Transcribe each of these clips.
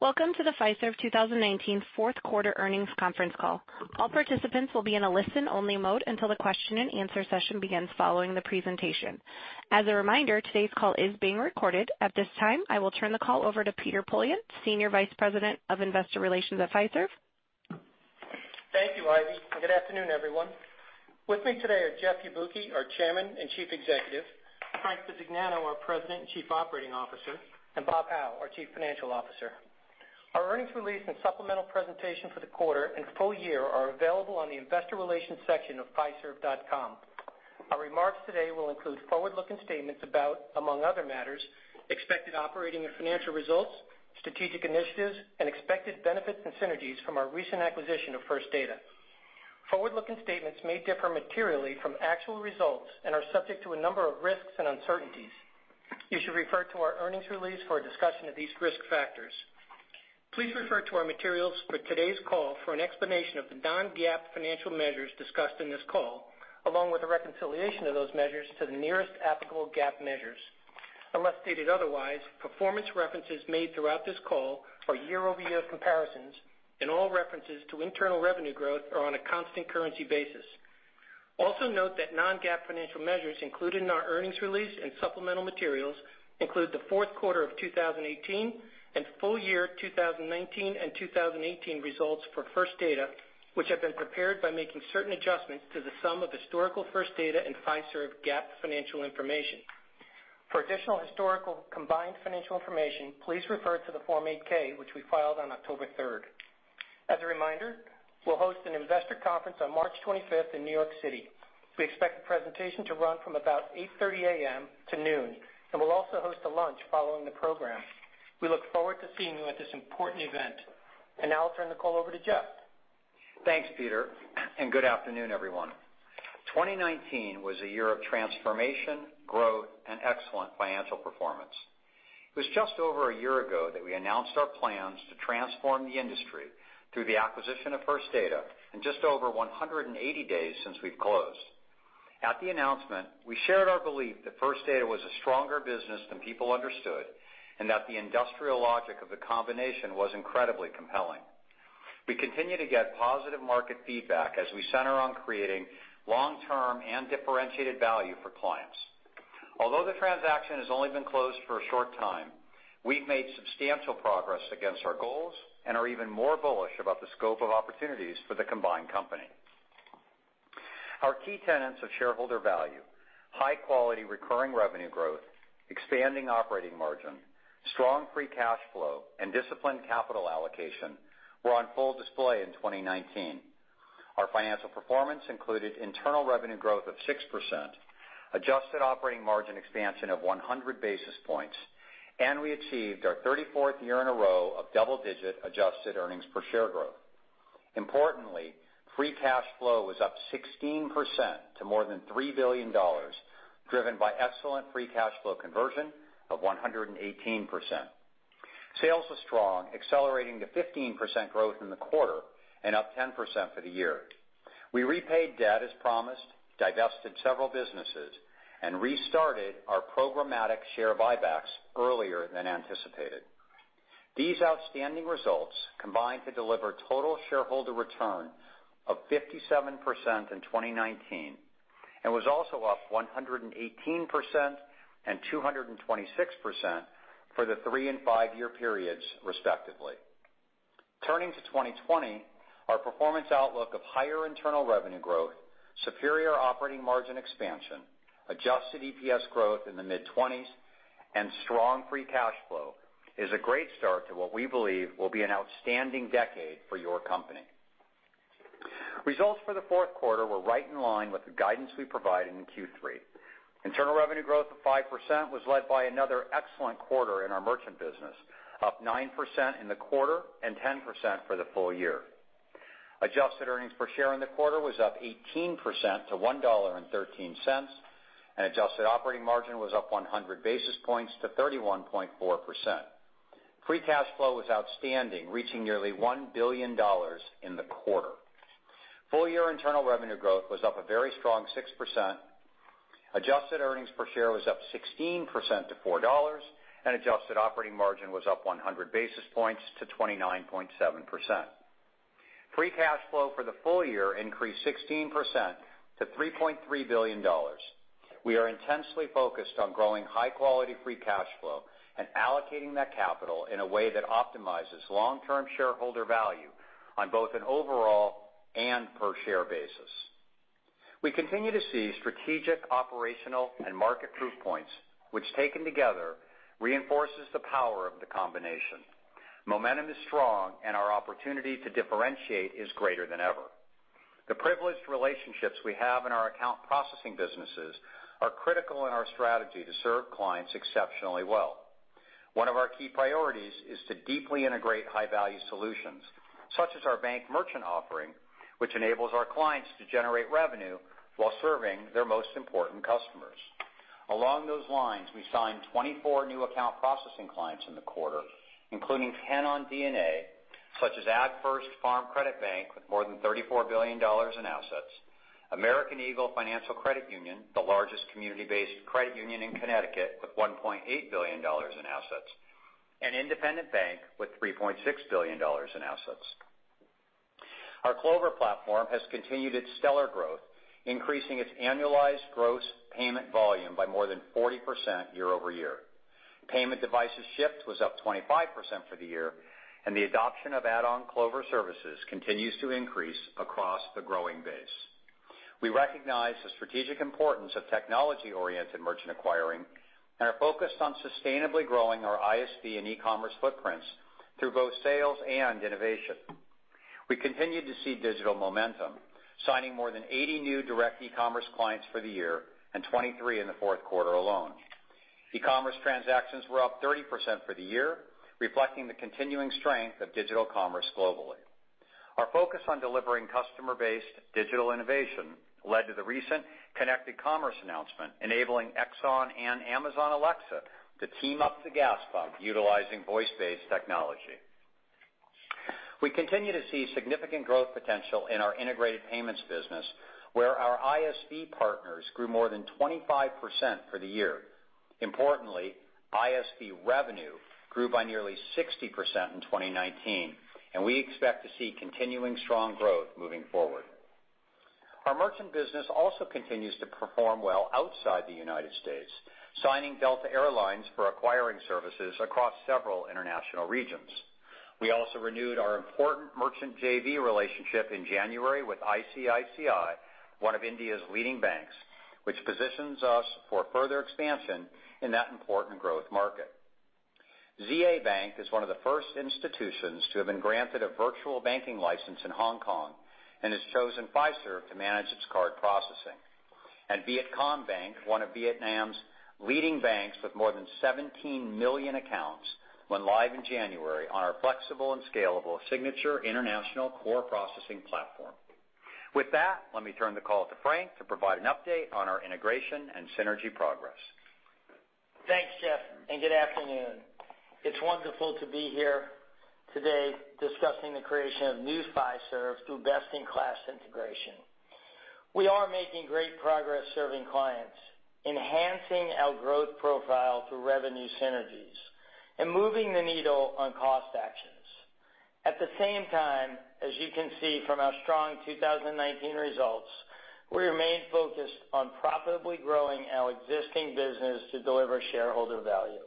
Welcome to the Fiserv 2019 fourth quarter earnings conference call. All participants will be in a listen-only mode until the question and answer session begins following the presentation. As a reminder, today's call is being recorded. At this time, I will turn the call over to Peter Poillon, Senior Vice President of Investor Relations at Fiserv. Thank you, Ivy, and good afternoon, everyone. With me today are Jeff Yabuki, our Chairman and Chief Executive, Frank Bisignano, our President and Chief Operating Officer, and Bob Hau, our Chief Financial Officer. Our earnings release and supplemental presentation for the quarter and full year are available on the investor relations section of fiserv.com. Our remarks today will include forward-looking statements about, among other matters, expected operating and financial results, strategic initiatives, and expected benefits and synergies from our recent acquisition of First Data. Forward-looking statements may differ materially from actual results and are subject to a number of risks and uncertainties. You should refer to our earnings release for a discussion of these risk factors. Please refer to our materials for today's call for an explanation of the non-GAAP financial measures discussed in this call, along with a reconciliation of those measures to the nearest applicable GAAP measures. Unless stated otherwise, performance references made throughout this call are year-over-year comparisons, and all references to internal revenue growth are on a constant currency basis. Also note that non-GAAP financial measures included in our earnings release and supplemental materials include the fourth quarter of 2018 and full year 2019 and 2018 results for First Data, which have been prepared by making certain adjustments to the sum of historical First Data and Fiserv GAAP financial information. For additional historical combined financial information, please refer to the Form 8-K, which we filed on October 3rd. As a reminder, we'll host an investor conference on March 25th in New York City. We expect the presentation to run from about 8:30 A.M. to noon, and we'll also host a lunch following the program. We look forward to seeing you at this important event. Now I'll turn the call over to Jeff. Thanks, Peter. Good afternoon, everyone. 2019 was a year of transformation, growth, and excellent financial performance. It was just over a year ago that we announced our plans to transform the industry through the acquisition of First Data and just over 180 days since we've closed. At the announcement, we shared our belief that First Data was a stronger business than people understood and that the industrial logic of the combination was incredibly compelling. We continue to get positive market feedback as we center on creating long-term and differentiated value for clients. Although the transaction has only been closed for a short time, we've made substantial progress against our goals and are even more bullish about the scope of opportunities for the combined company. Our key tenets of shareholder value, high-quality recurring revenue growth, expanding operating margin, strong free cash flow, and disciplined capital allocation were on full display in 2019. Our financial performance included internal revenue growth of six percent, adjusted operating margin expansion of 100 basis points, and we achieved our 34th year in a row of double-digit adjusted earnings per share growth. Importantly, free cash flow was up 16% to more than $3 billion, driven by excellent free cash flow conversion of 118%. Sales are strong, accelerating to 15% growth in the quarter and up 10% for the year. We repaid debt as promised, divested several businesses, and restarted our programmatic share buybacks earlier than anticipated. These outstanding results combined to deliver total shareholder return of 57% in 2019, and was also up 118% and 226% for the three and five-year periods respectively. Turning to 2020, our performance outlook of higher internal revenue growth, superior operating margin expansion, adjusted EPS growth in the mid-20s, and strong free cash flow is a great start to what we believe will be an outstanding decade for your company. Results for the fourth quarter were right in line with the guidance we provided in Q3. Internal revenue growth of five percent was led by another excellent quarter in our merchant business, up nine percent in the quarter and 10% for the full year. Adjusted earnings per share in the quarter was up 18% to $1.13, and adjusted operating margin was up 100 basis points to 31.4%. Free cash flow was outstanding, reaching nearly $1 billion in the quarter. Full-year internal revenue growth was up a very strong six percent. Adjusted earnings per share was up 16% to $4, and adjusted operating margin was up 100 basis points to 29.7%. Free cash flow for the full year increased 16% to $3.3 billion. We are intensely focused on growing high-quality free cash flow and allocating that capital in a way that optimizes long-term shareholder value on both an overall and per-share basis. We continue to see strategic operational and market proof points, which, taken together, reinforces the power of the combination. Momentum is strong, and our opportunity to differentiate is greater than ever. The privileged relationships we have in our account processing businesses are critical in our strategy to serve clients exceptionally well. One of our key priorities is to deeply integrate high-value solutions, such as our bank merchant offering, which enables our clients to generate revenue while serving their most important customers. Along those lines, we signed 24 new account processing clients in the quarter, including 10 on DNA, such as AgFirst Farm Credit Bank with more than $34 billion in assets. American Eagle Financial Credit Union, the largest community-based credit union in Connecticut with $1.8 billion in assets. Independent Bank with $3.6 billion in assets. Our Clover platform has continued its stellar growth, increasing its annualized gross payment volume by more than 40% year-over-year. Payment devices shipped was up 25% for the year, and the adoption of add-on Clover services continues to increase across the growing base. We recognize the strategic importance of technology-oriented merchant acquiring and are focused on sustainably growing our ISV and e-commerce footprints through both sales and innovation. We continued to see digital momentum, signing more than 80 new direct e-commerce clients for the year and 23 in the fourth quarter alone. E-commerce transactions were up 30% for the year, reflecting the continuing strength of digital commerce globally. Our focus on delivering customer-based digital innovation led to the recent connected commerce announcement, enabling Exxon and Amazon Alexa to team up the gas pump utilizing voice-based technology. We continue to see significant growth potential in our integrated payments business, where our ISV partners grew more than 25% for the year. Importantly, ISV revenue grew by nearly 60% in 2019, and we expect to see continuing strong growth moving forward. Our merchant business also continues to perform well outside the U.S., signing Delta Air Lines for acquiring services across several international regions. We also renewed our important merchant JV relationship in January with ICICI, one of India's leading banks, which positions us for further expansion in that important growth market. ZA Bank is one of the first institutions to have been granted a virtual banking license in Hong Kong and has chosen Fiserv to manage its card processing. Vietcombank, one of Vietnam's leading banks with more than 17 million accounts, went live in January on our flexible and scalable Signature international core processing platform. With that, let me turn the call to Frank to provide an update on our integration and synergy progress. Thanks, Jeff. Good afternoon. It's wonderful to be here today discussing the creation of new Fiserv through best-in-class integration. We are making great progress serving clients, enhancing our growth profile through revenue synergies, and moving the needle on cost actions. At the same time, as you can see from our strong 2019 results, we remain focused on profitably growing our existing business to deliver shareholder value.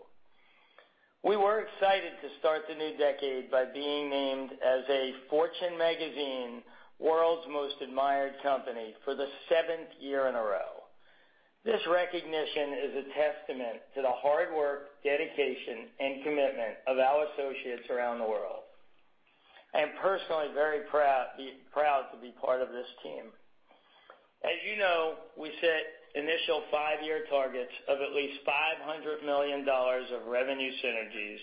We were excited to start the new decade by being named as a Fortune magazine World's Most Admired company for the seventh year in a row. This recognition is a testament to the hard work, dedication, and commitment of our associates around the world. I am personally very proud to be part of this team. As you know, we set initial five-year targets of at least $500 million of revenue synergies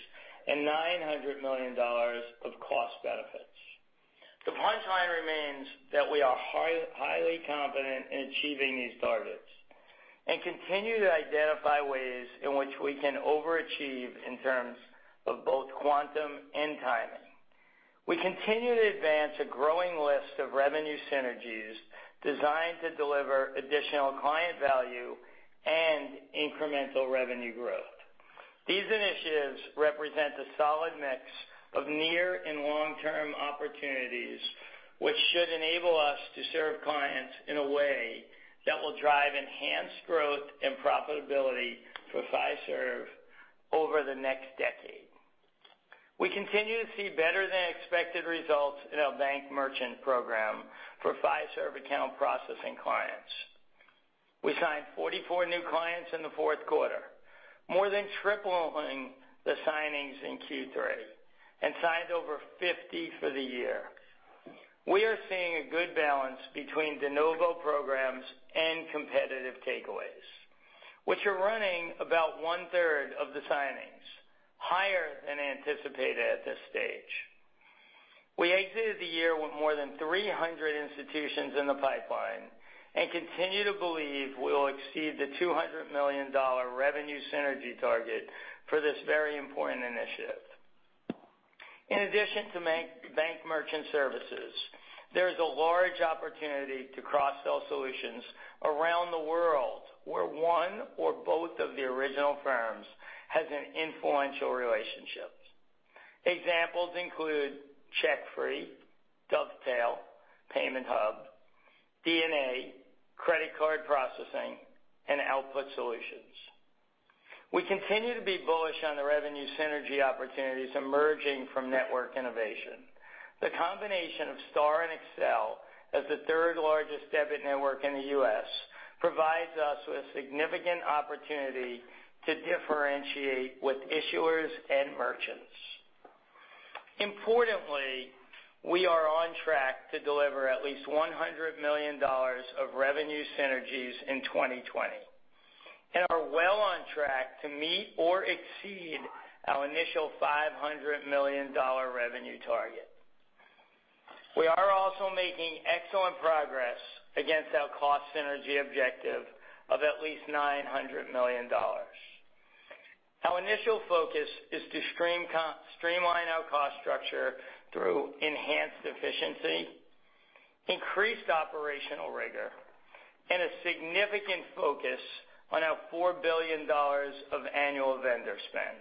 and $900 million of cost benefits. The punchline remains that we are highly confident in achieving these targets and continue to identify ways in which we can overachieve in terms of both quantum and timing. We continue to advance a growing list of revenue synergies designed to deliver additional client value and incremental revenue growth. These initiatives represent a solid mix of near and long-term opportunities, which should enable us to serve clients in a way that will drive enhanced growth and profitability for Fiserv over the next decade. We continue to see better-than-expected results in our bank merchant program for Fiserv account processing clients. We signed 44 new clients in the fourth quarter, more than tripling the signings in Q3, and signed over 50 for the year. We are seeing a good balance between de novo programs and competitive takeaways, which are running about one-third of the signings, higher than anticipated at this stage. We exited the year with more than 300 institutions in the pipeline and continue to believe we will exceed the $200 million revenue synergy target for this very important initiative. In addition to bank merchant services, there is a large opportunity to cross-sell solutions around the world where one or both of the original firms has an influential relationship. Examples include CheckFree, Dovetail, Enterprise Payments Platform, DNA, credit card processing, and output solutions. We continue to be bullish on the revenue synergy opportunities emerging from network innovation. The combination of STAR and Accel as the third-largest debit network in the U.S. provides us with significant opportunity to differentiate with issuers and merchants. Importantly, we are on track to deliver at least $100 million of revenue synergies in 2020 and are well on track to meet or exceed our initial $500 million revenue target. We are also making excellent progress against our cost synergy objective of at least $900 million. Our initial focus is to streamline our cost structure through enhanced efficiency, increased operational rigor, and a significant focus on our $4 billion of annual vendor spend.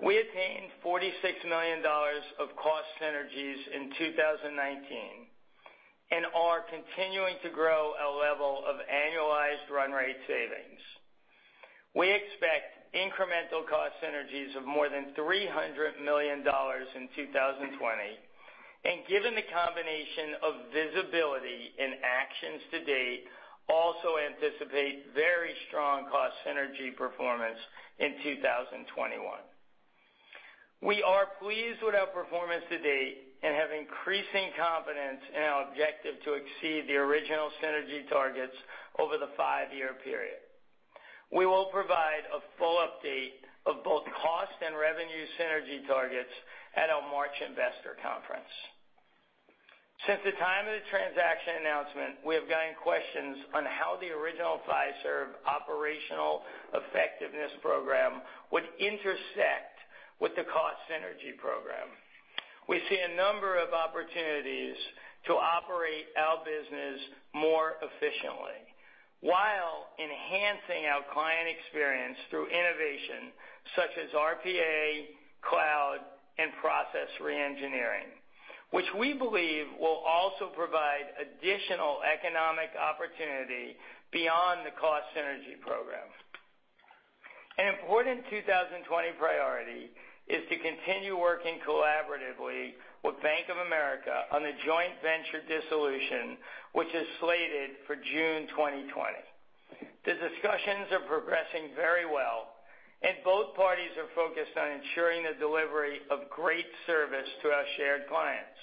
We attained $46 million of cost synergies in 2019 and are continuing to grow a level of annualized run rate savings. We expect incremental cost synergies of more than $300 million in 2020, and given the combination of visibility and actions to date, also anticipate very strong cost synergy performance in 2021. We are pleased with our performance to date and have increasing confidence in our objective to exceed the original synergy targets over the five-year period. We will provide a full update of both cost and revenue synergy targets at our March investor conference. Since the time of the transaction announcement, we have gotten questions on how the original Fiserv operational effectiveness program would intersect with the cost synergy program. We see a number of opportunities to operate our business more efficiently while enhancing our client experience through innovation such as RPA, cloud, and process re-engineering, which we believe will also provide additional economic opportunity beyond the cost synergy program. An important 2020 priority is to continue working collaboratively with Bank of America on the joint venture dissolution, which is slated for June 2020. The discussions are progressing very well, and both parties are focused on ensuring the delivery of great service to our shared clients.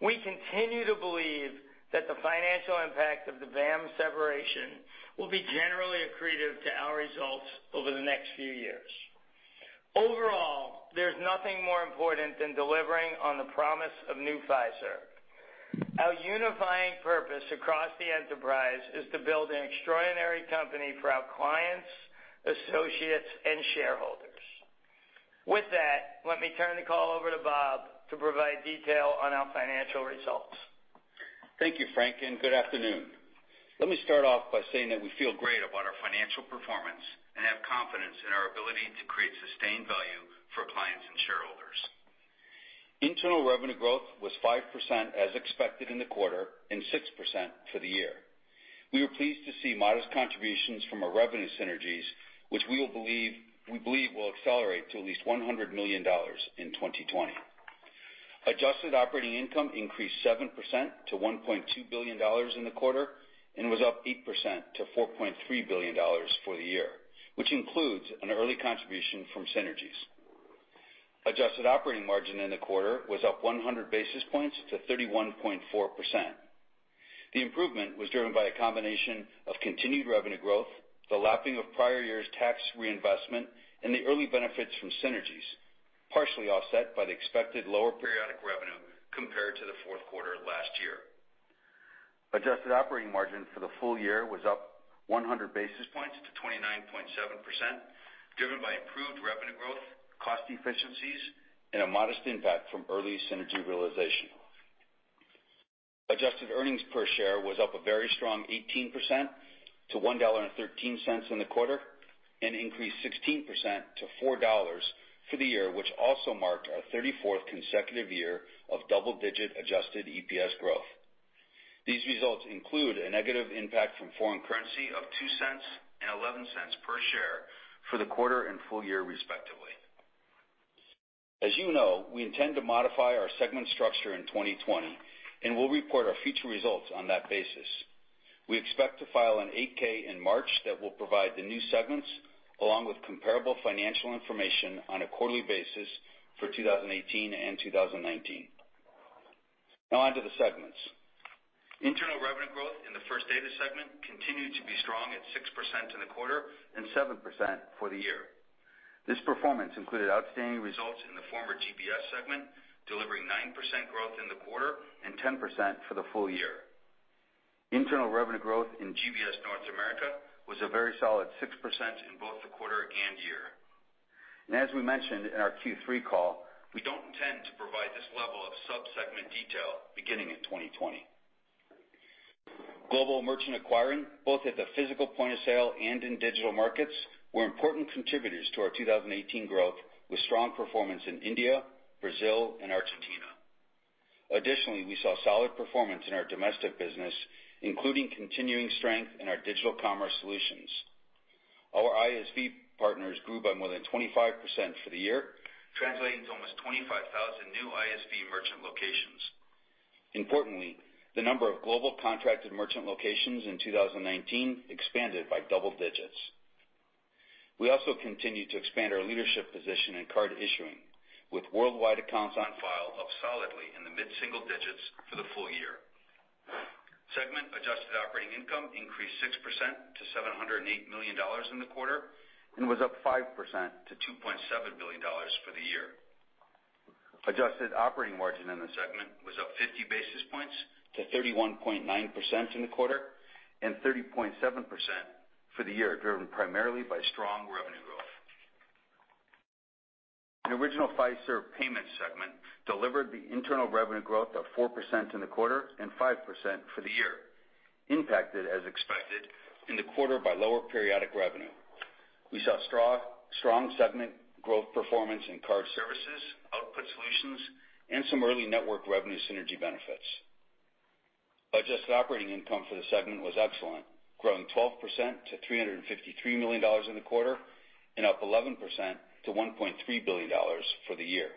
We continue to believe that the financial impact of the BAM separation will be generally accretive to our results over the next few years. Overall, there's nothing more important than delivering on the promise of New Fiserv. Our unifying purpose across the enterprise is to build an extraordinary company for our clients, associates, and shareholders. With that, let me turn the call over to Bob to provide detail on our financial results. Thank you, Frank. Good afternoon. Let me start off by saying that we feel great about our financial performance and have confidence in our ability to create sustained value for clients and shareholders. Internal revenue growth was five percent as expected in the quarter and six percent for the year. We were pleased to see modest contributions from our revenue synergies, which we believe will accelerate to at least $100 million in 2020. Adjusted operating income increased seven percent to $1.2 billion in the quarter and was up eight percent to $4.3 billion for the year, which includes an early contribution from synergies. Adjusted operating margin in the quarter was up 100 basis points to 31.4%. The improvement was driven by a combination of continued revenue growth, the lapping of prior year's tax reinvestment, and the early benefits from synergies, partially offset by the expected lower periodic revenue compared to the fourth quarter of last year. Adjusted operating margin for the full year was up 100 basis points to 29.7%, driven by improved revenue growth, cost efficiencies, and a modest impact from early synergy realization. Adjusted earnings per share was up a very strong 18% to $1.13 in the quarter and increased 16% to $4 for the year, which also marked our 34th consecutive year of double-digit adjusted EPS growth. These results include a negative impact from foreign currency of $0.02 and $0.11 per share for the quarter and full year respectively. As you know, we intend to modify our segment structure in 2020, and we'll report our future results on that basis. We expect to file an 8-K in March that will provide the new segments along with comparable financial information on a quarterly basis for 2018 and 2019. On to the segments. Internal revenue growth in the First Data segment continued to be strong at six percent in the quarter and seven percent for the year. This performance included outstanding results in the former GBS segment, delivering nine percent growth in the quarter and 10% for the full year. Internal revenue growth in GBS North America was a very solid six percent in both the quarter and year. As we mentioned in our Q3 call, we don't intend to provide this level of sub-segment detail beginning in 2020. Global merchant acquiring, both at the physical point of sale and in digital markets, were important contributors to our 2018 growth, with strong performance in India, Brazil, and Argentina. Additionally, we saw solid performance in our domestic business, including continuing strength in our digital commerce solutions. Our ISV partners grew by more than 25% for the year, translating to almost 25,000 new ISV merchant locations. Importantly, the number of global contracted merchant locations in 2019 expanded by double digits. We also continued to expand our leadership position in card issuing with worldwide accounts on file up solidly in the mid-single digits for the full year. segment adjusted operating income increased six percent to $708 million in the quarter and was up five percent to $2.7 billion Adjusted operating margin in the segment was up 50 basis points to 31.9% in the quarter and 30.7% for the year, driven primarily by strong revenue growth. The original Fiserv payments segment delivered the internal revenue growth of four percent in the quarter and five percent for the year, impacted as expected in the quarter by lower periodic revenue. We saw strong segment growth performance in card services, output solutions, and some early network revenue synergy benefits. Adjusted operating income for the segment was excellent, growing 12% to $353 million in the quarter and up 11% to $1.3 billion for the year.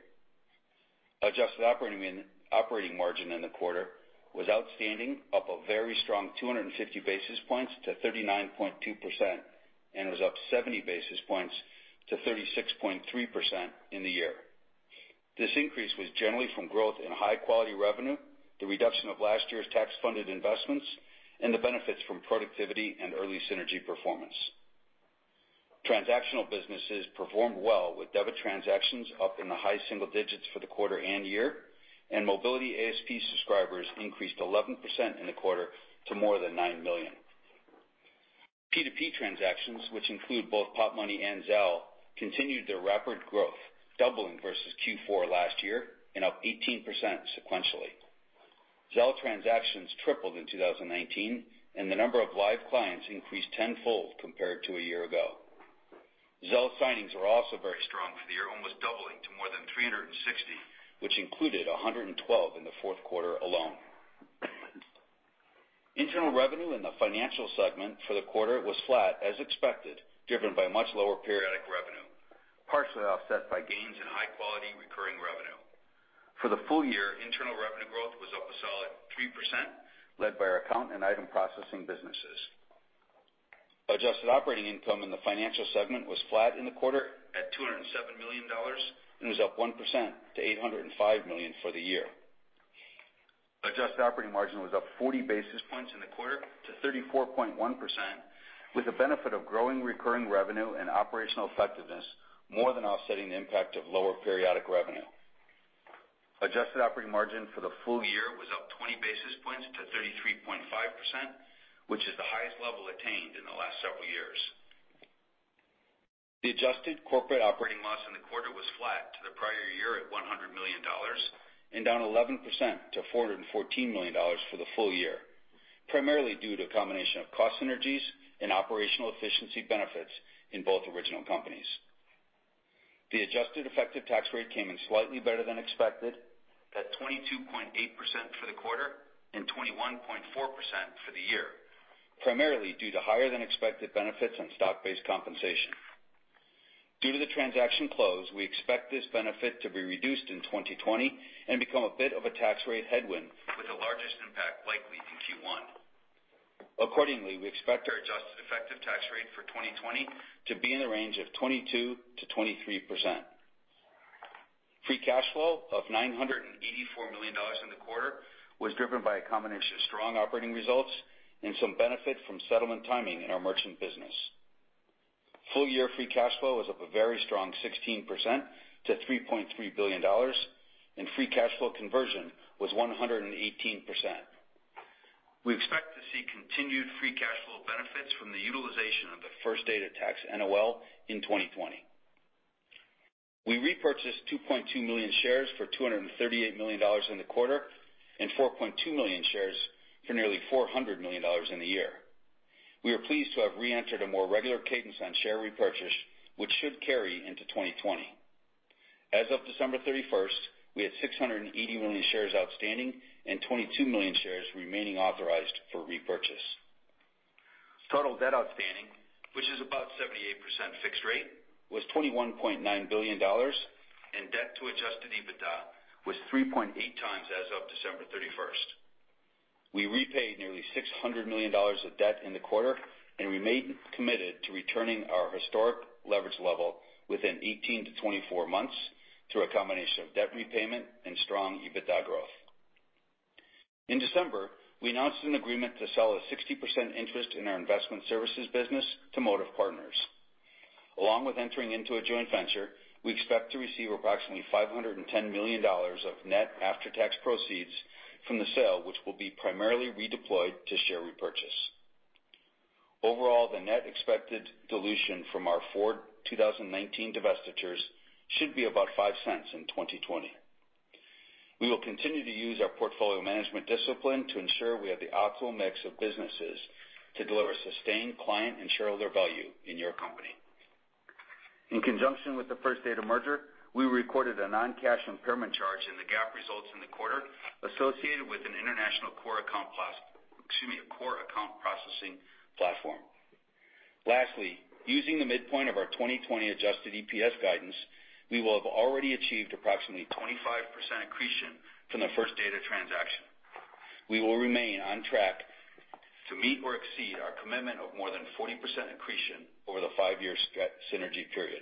Adjusted operating margin in the quarter was outstanding, up a very strong 250 basis points to 39.2% and was up 70 basis points to 36.3% in the year. This increase was generally from growth in high-quality revenue, the reduction of last year's tax-funded investments, and the benefits from productivity and early synergy performance. Transactional businesses performed well with debit transactions up in the high single digits for the quarter and year, and mobility ASP subscribers increased 11% in the quarter to more than 9 million. P2P transactions, which include both Popmoney and Zelle, continued their rapid growth, doubling versus Q4 last year and up 18% sequentially. Zelle transactions tripled in 2019 and the number of live clients increased tenfold compared to a year ago. Zelle signings were also very strong for the year, almost doubling to more than 360, which included 112 in the fourth quarter alone. Internal revenue in the financial segment for the quarter was flat as expected, driven by much lower periodic revenue, partially offset by gains in high-quality recurring revenue. For the full year, internal revenue growth was up a solid three percent, led by our account and item processing businesses. Adjusted operating income in the financial segment was flat in the quarter at $207 million and was up one percent to $805 million for the year. Adjusted operating margin was up 40 basis points in the quarter to 34.1%, with the benefit of growing recurring revenue and operational effectiveness more than offsetting the impact of lower periodic revenue. Adjusted operating margin for the full year was up 20 basis points to 33.5%, which is the highest level attained in the last several years. The adjusted corporate operating loss in the quarter was flat to the prior year at $100 million and down 11% to $414 million for the full year, primarily due to a combination of cost synergies and operational efficiency benefits in both original companies. The adjusted effective tax rate came in slightly better than expected at 22.8% for the quarter and 21.4% for the year, primarily due to higher than expected benefits on stock-based compensation. Due to the transaction close, we expect this benefit to be reduced in 2020 and become a bit of a tax rate headwind with the largest impact likely in Q1. Accordingly, we expect our adjusted effective tax rate for 2020 to be in the range of 22% to 23%. Free cash flow of $984 million in the quarter was driven by a combination of strong operating results and some benefit from settlement timing in our merchant business. Full year free cash flow was up a very strong 16% to $3.3 billion and free cash flow conversion was 118%. We expect to see continued free cash flow benefits from the utilization of the First Data tax NOL in 2020. We repurchased 2.2 million shares for $238 million in the quarter and 4.2 million shares for nearly $400 million in the year. We are pleased to have reentered a more regular cadence on share repurchase, which should carry into 2020. As of December 31st, we had 680 million shares outstanding and 22 million shares remaining authorized for repurchase. Total debt outstanding, which is about 78% fixed rate, was $21.9 billion and debt to adjusted EBITDA was three point eight times as of December 31st. We repaid nearly $600 million of debt in the quarter and remain committed to returning our historic leverage level within 18 to 24 months through a combination of debt repayment and strong EBITDA growth. In December, we announced an agreement to sell a 60% interest in our investment services business to Motive Partners. Along with entering into a joint venture, we expect to receive approximately $510 million of net after-tax proceeds from the sale, which will be primarily redeployed to share repurchase. Overall, the net expected dilution from our four 2019 divestitures should be about $0.05 in 2020. We will continue to use our portfolio management discipline to ensure we have the optimal mix of businesses to deliver sustained client and shareholder value in your company. In conjunction with the First Data merger, we recorded a non-cash impairment charge in the GAAP results in the quarter associated with an international core account processing platform. Lastly, using the midpoint of our 2020 adjusted EPS guidance, we will have already achieved approximately 25% accretion from the First Data transaction. We will remain on track to meet or exceed our commitment of more than 40% accretion over the five-year synergy period.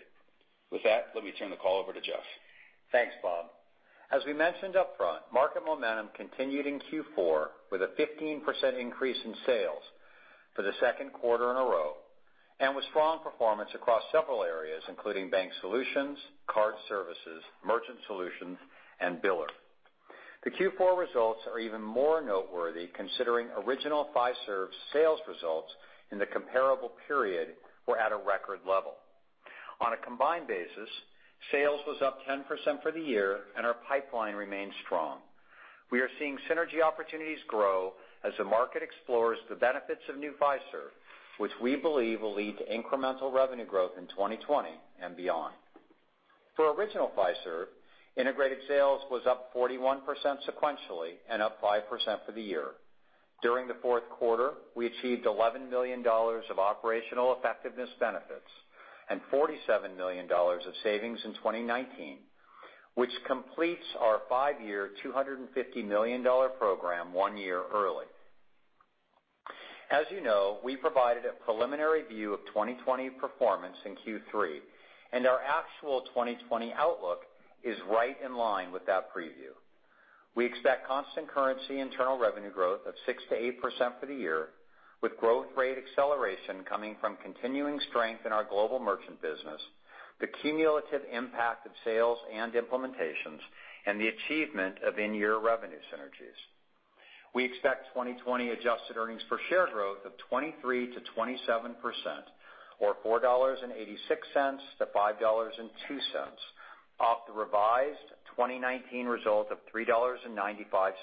With that, let me turn the call over to Jeff. Thanks, Bob. As we mentioned upfront, market momentum continued in Q4 with a 15% increase in sales for the second quarter in a row. With strong performance across several areas, including bank solutions, card services, merchant solutions, and biller. The Q4 results are even more noteworthy considering original Fiserv's sales results in the comparable period were at a record level. On a combined basis, sales was up 10% for the year and our pipeline remains strong. We are seeing synergy opportunities grow as the market explores the benefits of new Fiserv, which we believe will lead to incremental revenue growth in 2020 and beyond. For original Fiserv, integrated sales was up 41% sequentially and up five percent for the year. During the fourth quarter, we achieved $11 million of operational effectiveness benefits and $47 million of savings in 2019, which completes our five-year $250 million program one year early. As you know, we provided a preliminary view of 2020 performance in Q3. Our actual 2020 outlook is right in line with that preview. We expect constant currency internal revenue growth of six to eight percent for the year, with growth rate acceleration coming from continuing strength in our global merchant business, the cumulative impact of sales and implementations, and the achievement of in-year revenue synergies. We expect 2020 adjusted earnings per share growth of 23% to 27%, or $4.86-$5.02, off the revised 2019 result of $3.95,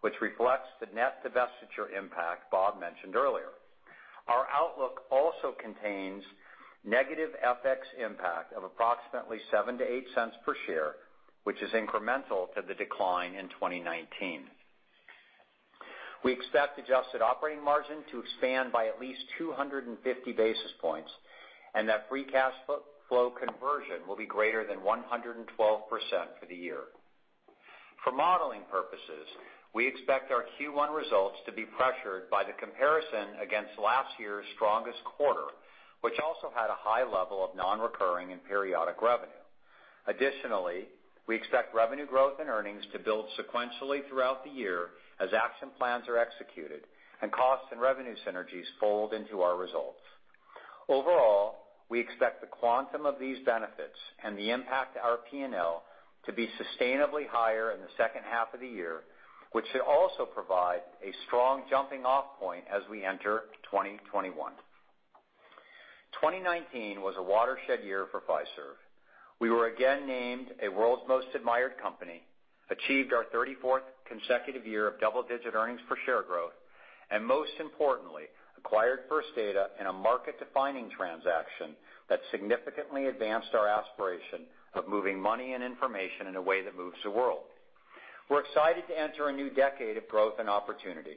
which reflects the net divestiture impact Bob mentioned earlier. Our outlook also contains negative FX impact of approximately $0.07 to $0.08 per share, which is incremental to the decline in 2019. We expect adjusted operating margin to expand by at least 250 basis points, and that free cash flow conversion will be greater than 112% for the year. For modeling purposes, we expect our Q1 results to be pressured by the comparison against last year's strongest quarter, which also had a high level of non-recurring and periodic revenue. Additionally, we expect revenue growth and earnings to build sequentially throughout the year as action plans are executed and cost and revenue synergies fold into our results. Overall, we expect the quantum of these benefits and the impact to our P&L to be sustainably higher in the second half of the year, which should also provide a strong jumping-off point as we enter 2021. 2019 was a watershed year for Fiserv. We were again named a World's Most Admired Company, achieved our 34th consecutive year of double-digit EPS growth, and most importantly, acquired First Data in a market-defining transaction that significantly advanced our aspiration of moving money and information in a way that moves the world. We're excited to enter a new decade of growth and opportunity.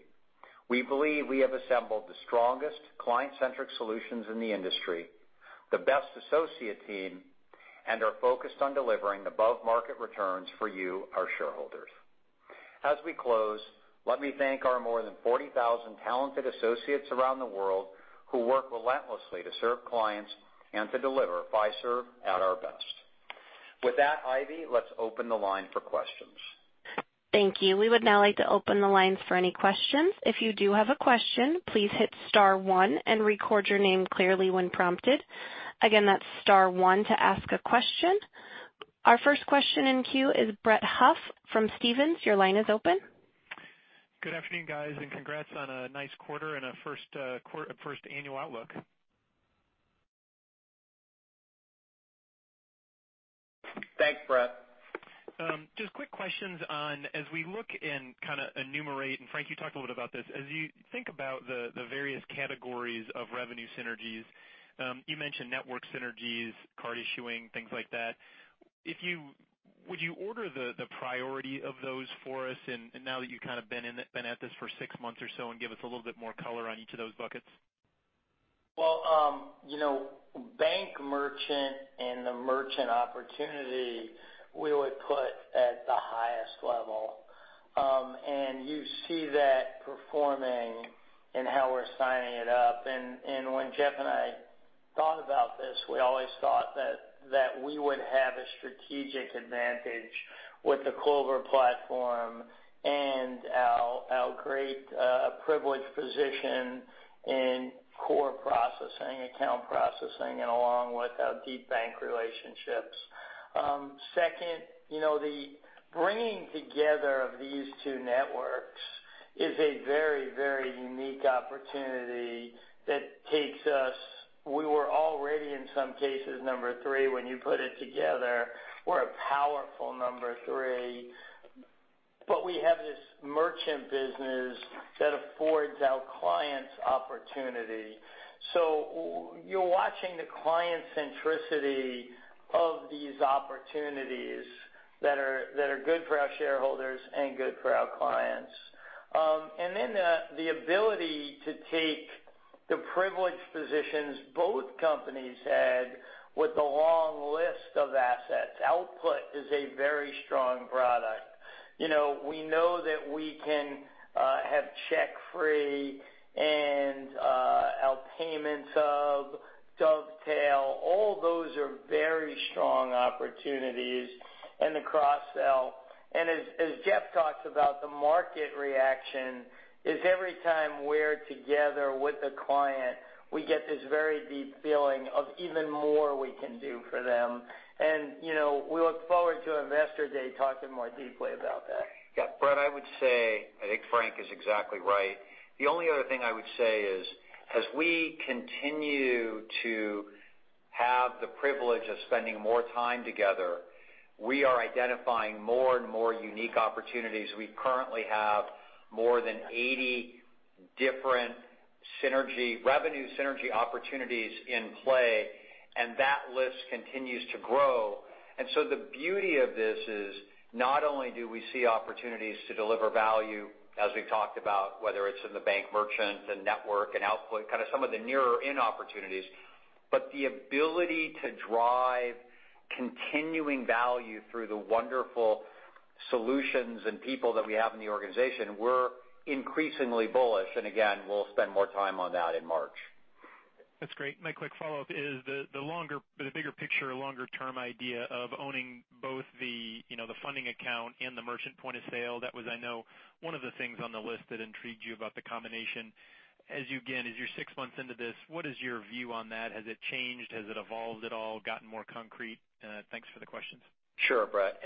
We believe we have assembled the strongest client-centric solutions in the industry, the best associate team, and are focused on delivering above-market returns for you, our shareholders. As we close, let me thank our more than 40,000 talented associates around the world who work relentlessly to serve clients and to deliver Fiserv at our best. With that, Ivy, let's open the line for questions. Thank you. We would now like to open the lines for any questions. If you do have a question, please hit star one and record your name clearly when prompted. Again, that's star one to ask a question. Our first question in queue is Brett Huff from Stephens. Your line is open. Good afternoon, guys, and congrats on a nice quarter and a first annual outlook. Thanks, Brett. Just quick questions on, as we look and kind of enumerate, and Frank, you talked a little bit about this, as you think about the various categories of revenue synergies, you mentioned network synergies, card issuing, things like that. Would you order the priority of those for us, and now that you've kind of been at this for six months or so, and give us a little bit more color on each of those buckets? Well, bank merchant and the merchant opportunity we would put at the highest level. You see that performing in how we're signing it up. When Jeff and I thought about this, we always thought that we would have a strategic advantage with the Clover platform and our great privileged position in core processing, account processing, along with our deep bank relationships. Second, the bringing together of these two networks is a very unique opportunity that we were already, in some cases, number three. When you put it together, we're a powerful number three, but we have this merchant business that affords our clients opportunity. You're watching the client centricity of these opportunities that are good for our shareholders and good for our clients. The ability to take the privileged positions both companies had with the long list of assets. Output is a very strong product. We know that we can have CheckFree and our payments of. Dovetail. All those are very strong opportunities and the cross-sell. As Jeff talks about, the market reaction is every time we're together with a client, we get this very deep feeling of even more we can do for them. We look forward to Investor Day talking more deeply about that. Yeah. Brett, I would say, I think Frank is exactly right. The only other thing I would say is as we continue to have the privilege of spending more time together, we are identifying more and more unique opportunities. We currently have more than 80 different revenue synergy opportunities in play. That list continues to grow. The beauty of this is not only do we see opportunities to deliver value as we've talked about, whether it's in the bank merchant, the network and output, kind of some of the nearer in opportunities, but the ability to drive continuing value through the wonderful solutions and people that we have in the organization, we're increasingly bullish. Again, we'll spend more time on that in March. That's great. My quick follow-up is the bigger picture, longer-term idea of owning both the funding account and the merchant point of sale. That was, I know, one of the things on the list that intrigued you about the combination. As you, again, as you're six months into this, what is your view on that? Has it changed? Has it evolved at all, gotten more concrete? Thanks for the questions. Sure, Brett.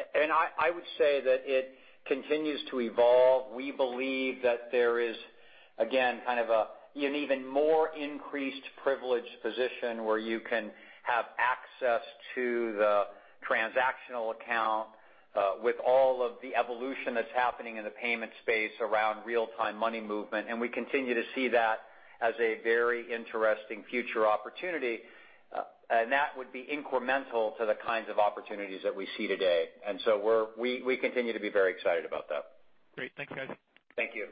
I would say that it continues to evolve. We believe that there is, again, kind of an even more increased privileged position where you can have access to the transactional account with all of the evolution that's happening in the payment space around real-time money movement. We continue to see that as a very interesting future opportunity. That would be incremental to the kinds of opportunities that we see today. We continue to be very excited about that. Great. Thanks, guys. Thank you.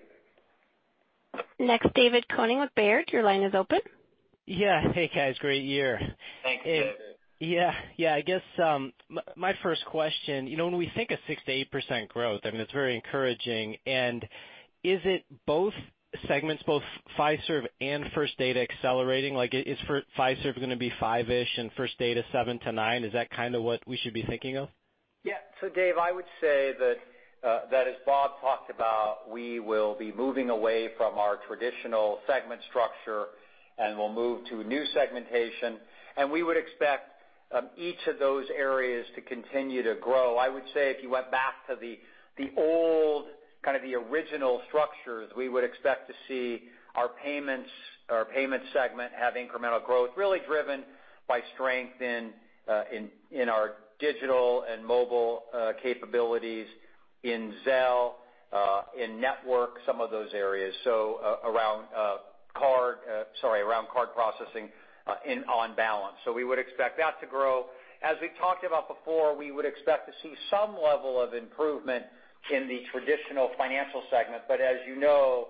Next, David Koning with Baird, your line is open. Yeah. Hey, guys. Great year. Thanks, David. Yeah. I guess my first question, when we think of six to eight percent growth, I mean, it's very encouraging. Is it both segments, both Fiserv and First Data accelerating? Like is Fiserv going to be five-ish and First Data seven to nine? Is that kind of what we should be thinking of? Yeah. Dave, I would say that as Bob talked about, we will be moving away from our traditional segment structure. We'll move to new segmentation. We would expect each of those areas to continue to grow. I would say if you went back to the old, kind of the original structures, we would expect to see our payments segment have incremental growth really driven by strength in our digital and mobile capabilities in Zelle, in network, some of those areas. Around card processing on balance. We would expect that to grow. As we've talked about before, we would expect to see some level of improvement in the traditional financial segment. As you know,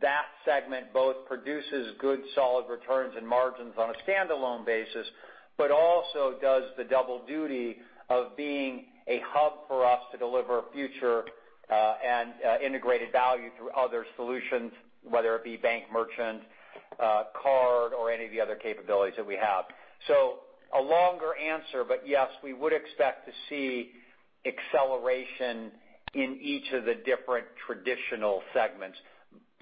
that segment both produces good solid returns and margins on a standalone basis, but also does the double duty of being a hub for us to deliver future and integrated value through other solutions, whether it be bank merchant, card, or any of the other capabilities that we have. A longer answer, but yes, we would expect to see acceleration in each of the different traditional segments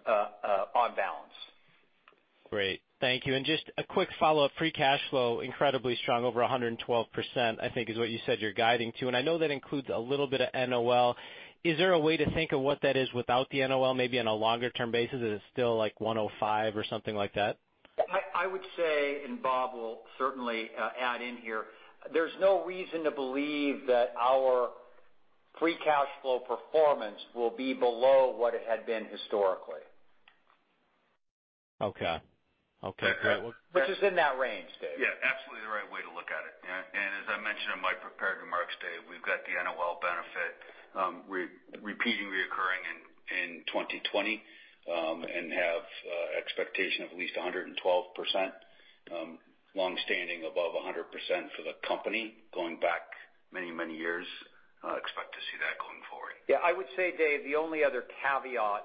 on balance. Great. Thank you. Just a quick follow-up. Free cash flow incredibly strong over 112%, I think is what you said you're guiding to. I know that includes a little bit of NOL. Is there a way to think of what that is without the NOL? Maybe on a longer-term basis, is it still like 105 or something like that? I would say, and Bob will certainly add in here, there's no reason to believe that our free cash flow performance will be below what it had been historically. Okay. Great. Which is in that range, Dave. Yeah, absolutely the right way to look at it. As I mentioned in my prepared remarks, David, we've got the NOL benefit repeating, reoccurring in 2020 and have expectation of at least 112%, longstanding above 100% for the company going back many, many years. Expect to see that going forward. I would say, Dave, the only other caveat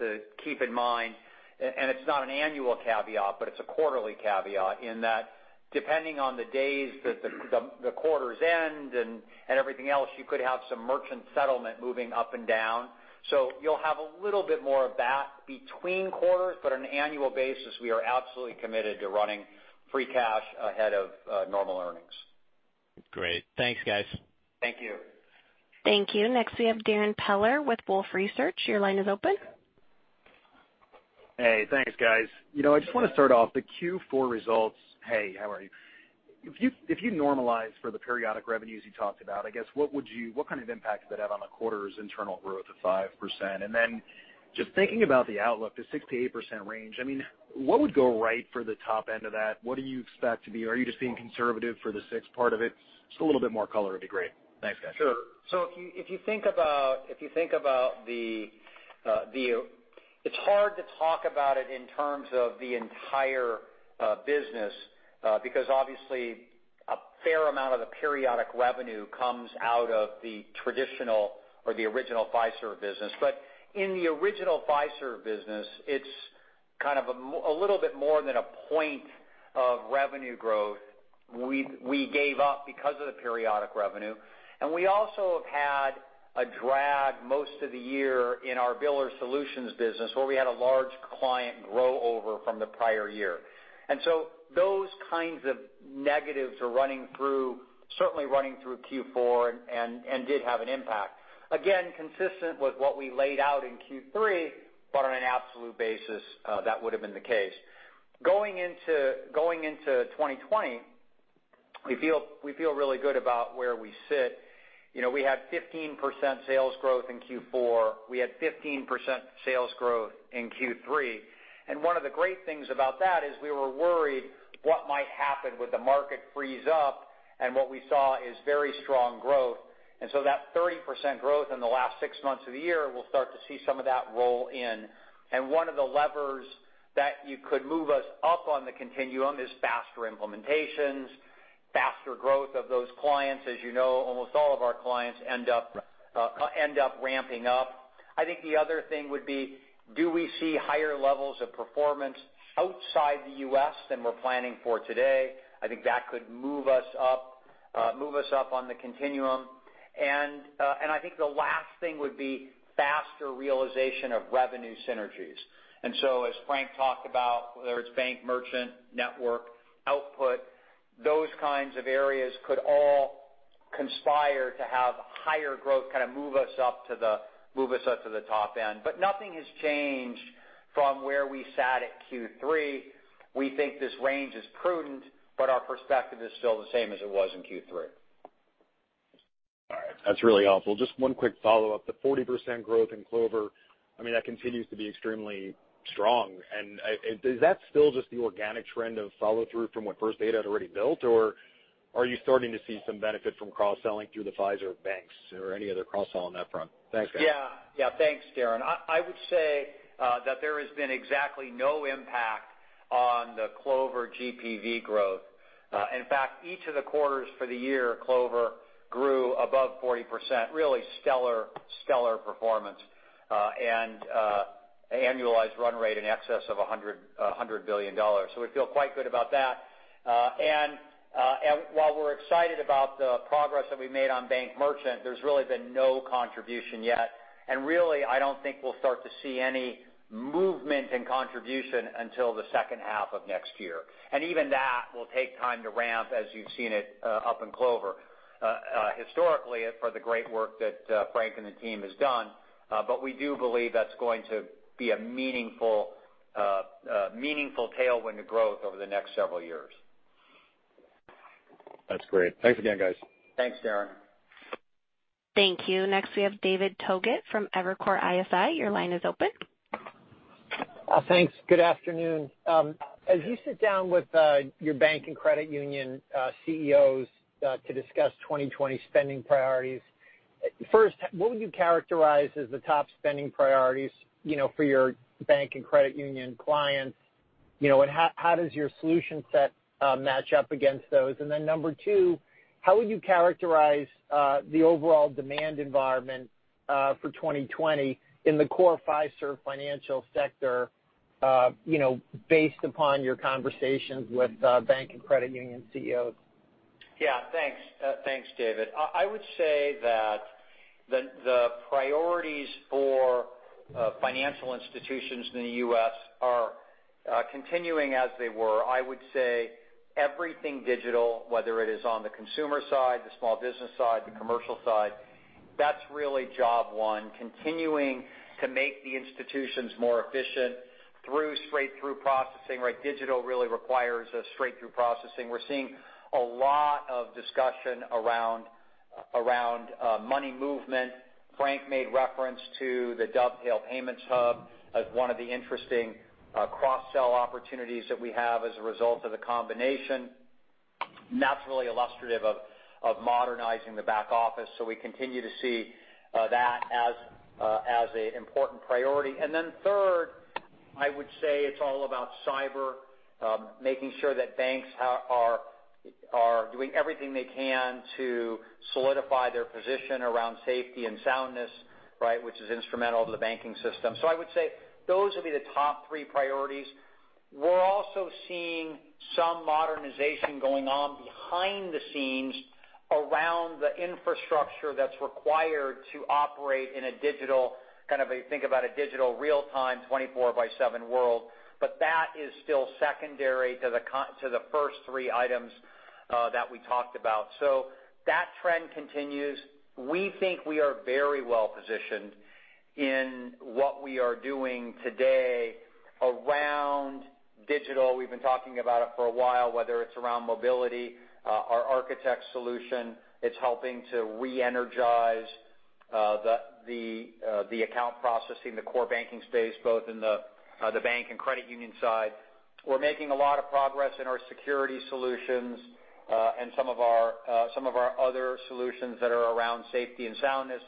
to keep in mind, and it's not an annual caveat, but it's a quarterly caveat, in that depending on the days that the quarters end and everything else, you could have some merchant settlement moving up and down. You'll have a little bit more of that between quarters, but on an annual basis, we are absolutely committed to running free cash ahead of normal earnings. Great. Thanks, guys. Thank you. Thank you. Next we have Darrin Peller with Wolfe Research. Your line is open. Hey, thanks, guys. I just want to start off the Q4 results. Hey, how are you? If you normalize for the periodic revenues you talked about, I guess, what kind of impact does that have on the quarter's internal growth of five percent? Just thinking about the outlook, the six to eight percent range, I mean, what would go right for the top end of that? What do you expect to be? Are you just being conservative for the sixth part of it? Just a little bit more color would be great. Thanks, guys. Sure. If you think about it's hard to talk about it in terms of the entire business because obviously, a fair amount of the periodic revenue comes out of the traditional or the original Fiserv business. In the original Fiserv business, it's a little bit more than a point of revenue growth we gave up because of the periodic revenue. We also have had a drag most of the year in our biller solutions business, where we had a large client grow over from the prior year. Those kinds of negatives are certainly running through Q4 and did have an impact. Again, consistent with what we laid out in Q3, but on an absolute basis, that would've been the case. Going into 2020, we feel really good about where we sit. We had 15% sales growth in Q4. We had 15% sales growth in Q3. One of the great things about that is we were worried what might happen with the market freeze up, and what we saw is very strong growth. That 30% growth in the last six months of the year, we'll start to see some of that roll in. One of the levers that you could move us up on the continuum is faster implementations, faster growth of those clients. As you know, almost all of our clients end up ramping up. I think the other thing would be, do we see higher levels of performance outside the U.S. than we're planning for today? I think that could move us up on the continuum. I think the last thing would be faster realization of revenue synergies. As Frank talked about, whether it's bank merchant, network, output, those kinds of areas could all conspire to have higher growth, move us up to the top end. Nothing has changed from where we sat at Q3. We think this range is prudent, but our perspective is still the same as it was in Q3. All right. That's really helpful. Just one quick follow-up. The 40% growth in Clover, that continues to be extremely strong. Is that still just the organic trend of follow-through from what First Data had already built, or are you starting to see some benefit from cross-selling through the Fiserv banks or any other cross-sell on that front? Thanks, guys. Thanks, Darrin. I would say that there has been exactly no impact on the Clover GPV growth. In fact, each of the quarters for the year, Clover grew above 40%. Really stellar performance. Annualized run rate in excess of $100 billion. We feel quite good about that. While we're excited about the progress that we made on bank merchant, there's really been no contribution yet. Really, I don't think we'll start to see any movement in contribution until the second half of next year. Even that will take time to ramp as you've seen it up in Clover historically for the great work that Frank and the team has done. We do believe that's going to be a meaningful tailwind to growth over the next several years. That's great. Thanks again, guys. Thanks, Darrin. Thank you. Next we have David Togut from Evercore ISI. Your line is open. Thanks. Good afternoon. As you sit down with your bank and credit union CEOs to discuss 2020 spending priorities, first, what would you characterize as the top spending priorities for your bank and credit union clients? How does your solution set match up against those? Number two, how would you characterize the overall demand environment for 2020 in the core Fiserv financial sector based upon your conversations with bank and credit union CEOs? Thanks, David. I would say that the priorities for financial institutions in the U.S. are continuing as they were. I would say everything digital, whether it is on the consumer side, the small business side, the commercial side, that's really job one, continuing to make the institutions more efficient through straight-through processing, right? Digital really requires a straight-through processing. We're seeing a lot of discussion around money movement. Frank made reference to the Dovetail payments hub as one of the interesting cross-sell opportunities that we have as a result of the combination. That's really illustrative of modernizing the back office. We continue to see that as an important priority. Then third, I would say it's all about cyber. Making sure that banks are doing everything they can to solidify their position around safety and soundness, which is instrumental to the banking system. I would say those will be the top three priorities. We're also seeing some modernization going on behind the scenes around the infrastructure that's required to operate in a digital real-time 24/7 world. That is still secondary to the first three items that we talked about. That trend continues. We think we are very well positioned in what we are doing today around digital. We've been talking about it for a while, whether it's around mobility, our Architect solution. It's helping to reenergize the account processing, the core banking space, both in the bank and credit union side. We're making a lot of progress in our security solutions and some of our other solutions that are around safety and soundness.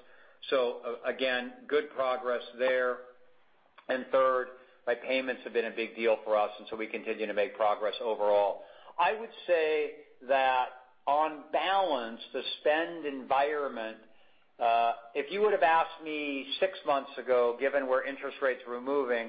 Again, good progress there. And third, my payments have been a big deal for us, we continue to make progress overall. I would say that on balance, the spend environment, if you would've asked me six months ago, given where interest rates were moving,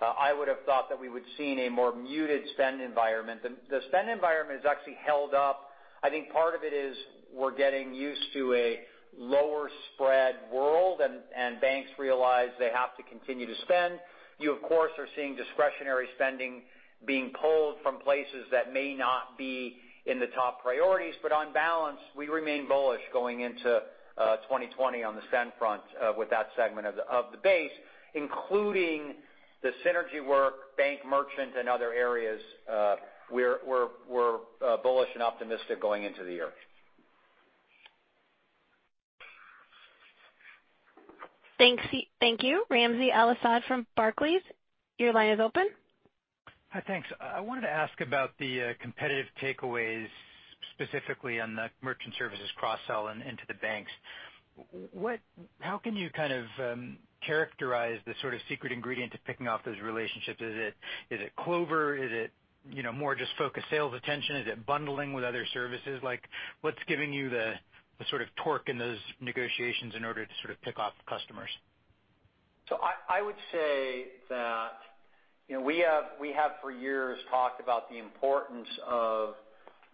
I would've thought that we would seen a more muted spend environment. The spend environment has actually held up. I think part of it is we're getting used to a lower spread world and banks realize they have to continue to spend. You of course, are seeing discretionary spending being pulled from places that may not be in the top priorities. On balance, we remain bullish going into 2020 on the spend front with that segment of the base, including the synergy work, bank merchant and other areas, we're bullish and optimistic going into the year. Thank you. Ramsey El-Assal from Barclays, your line is open. Hi. Thanks. I wanted to ask about the competitive takeaways specifically on the merchant services cross-sell and into the banks. How can you characterize the sort of secret ingredient to picking off those relationships? Is it Clover? Is it more just focused sales attention? Is it bundling with other services? Like, what's giving you the sort of torque in those negotiations in order to sort of pick off customers? I would say that we have for years talked about the importance of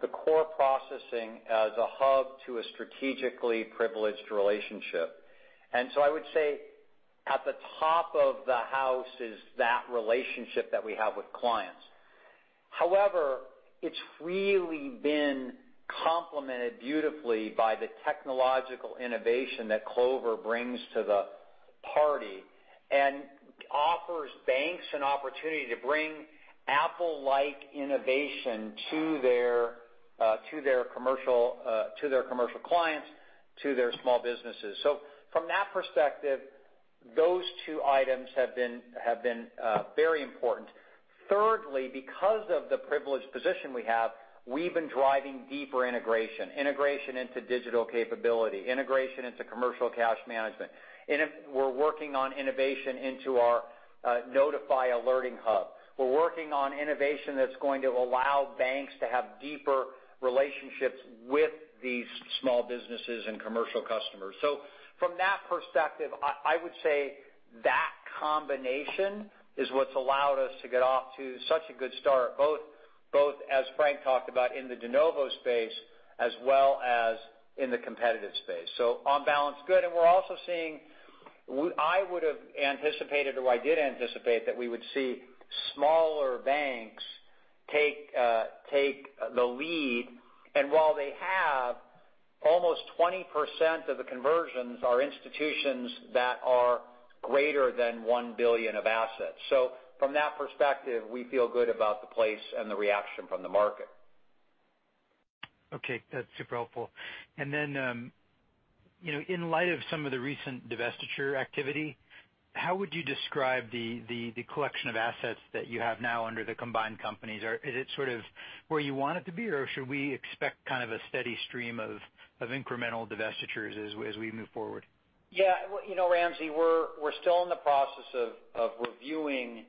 the core processing as a hub to a strategically privileged relationship. I would say at the top of the house is that relationship that we have with clients. However, it's really been complemented beautifully by the technological innovation that Clover brings to the party and offers banks an opportunity to bring Apple-like innovation to their commercial clients, to their small businesses. From that perspective, those two items have been very important. Thirdly, because of the privileged position we have, we've been driving deeper integration. Integration into digital capability, integration into commercial cash management. We're working on innovation into our Notifi alerting hub. We're working on innovation that's going to allow banks to have deeper relationships with these small businesses and commercial customers. From that perspective, I would say that combination is what's allowed us to get off to such a good start, both as Frank talked about in the de novo space as well as in the competitive space. On balance, good. We're also seeing, I would've anticipated, or I did anticipate that we would see smaller banks take the lead. While they have almost 20% of the conversions are institutions that are greater than one billion of assets. From that perspective, we feel good about the place and the reaction from the market. Okay. That's super helpful. In light of some of the recent divestiture activity, how would you describe the collection of assets that you have now under the combined companies? Is it sort of where you want it to be, or should we expect kind of a steady stream of incremental divestitures as we move forward? Ramsey, we're still in the process of reviewing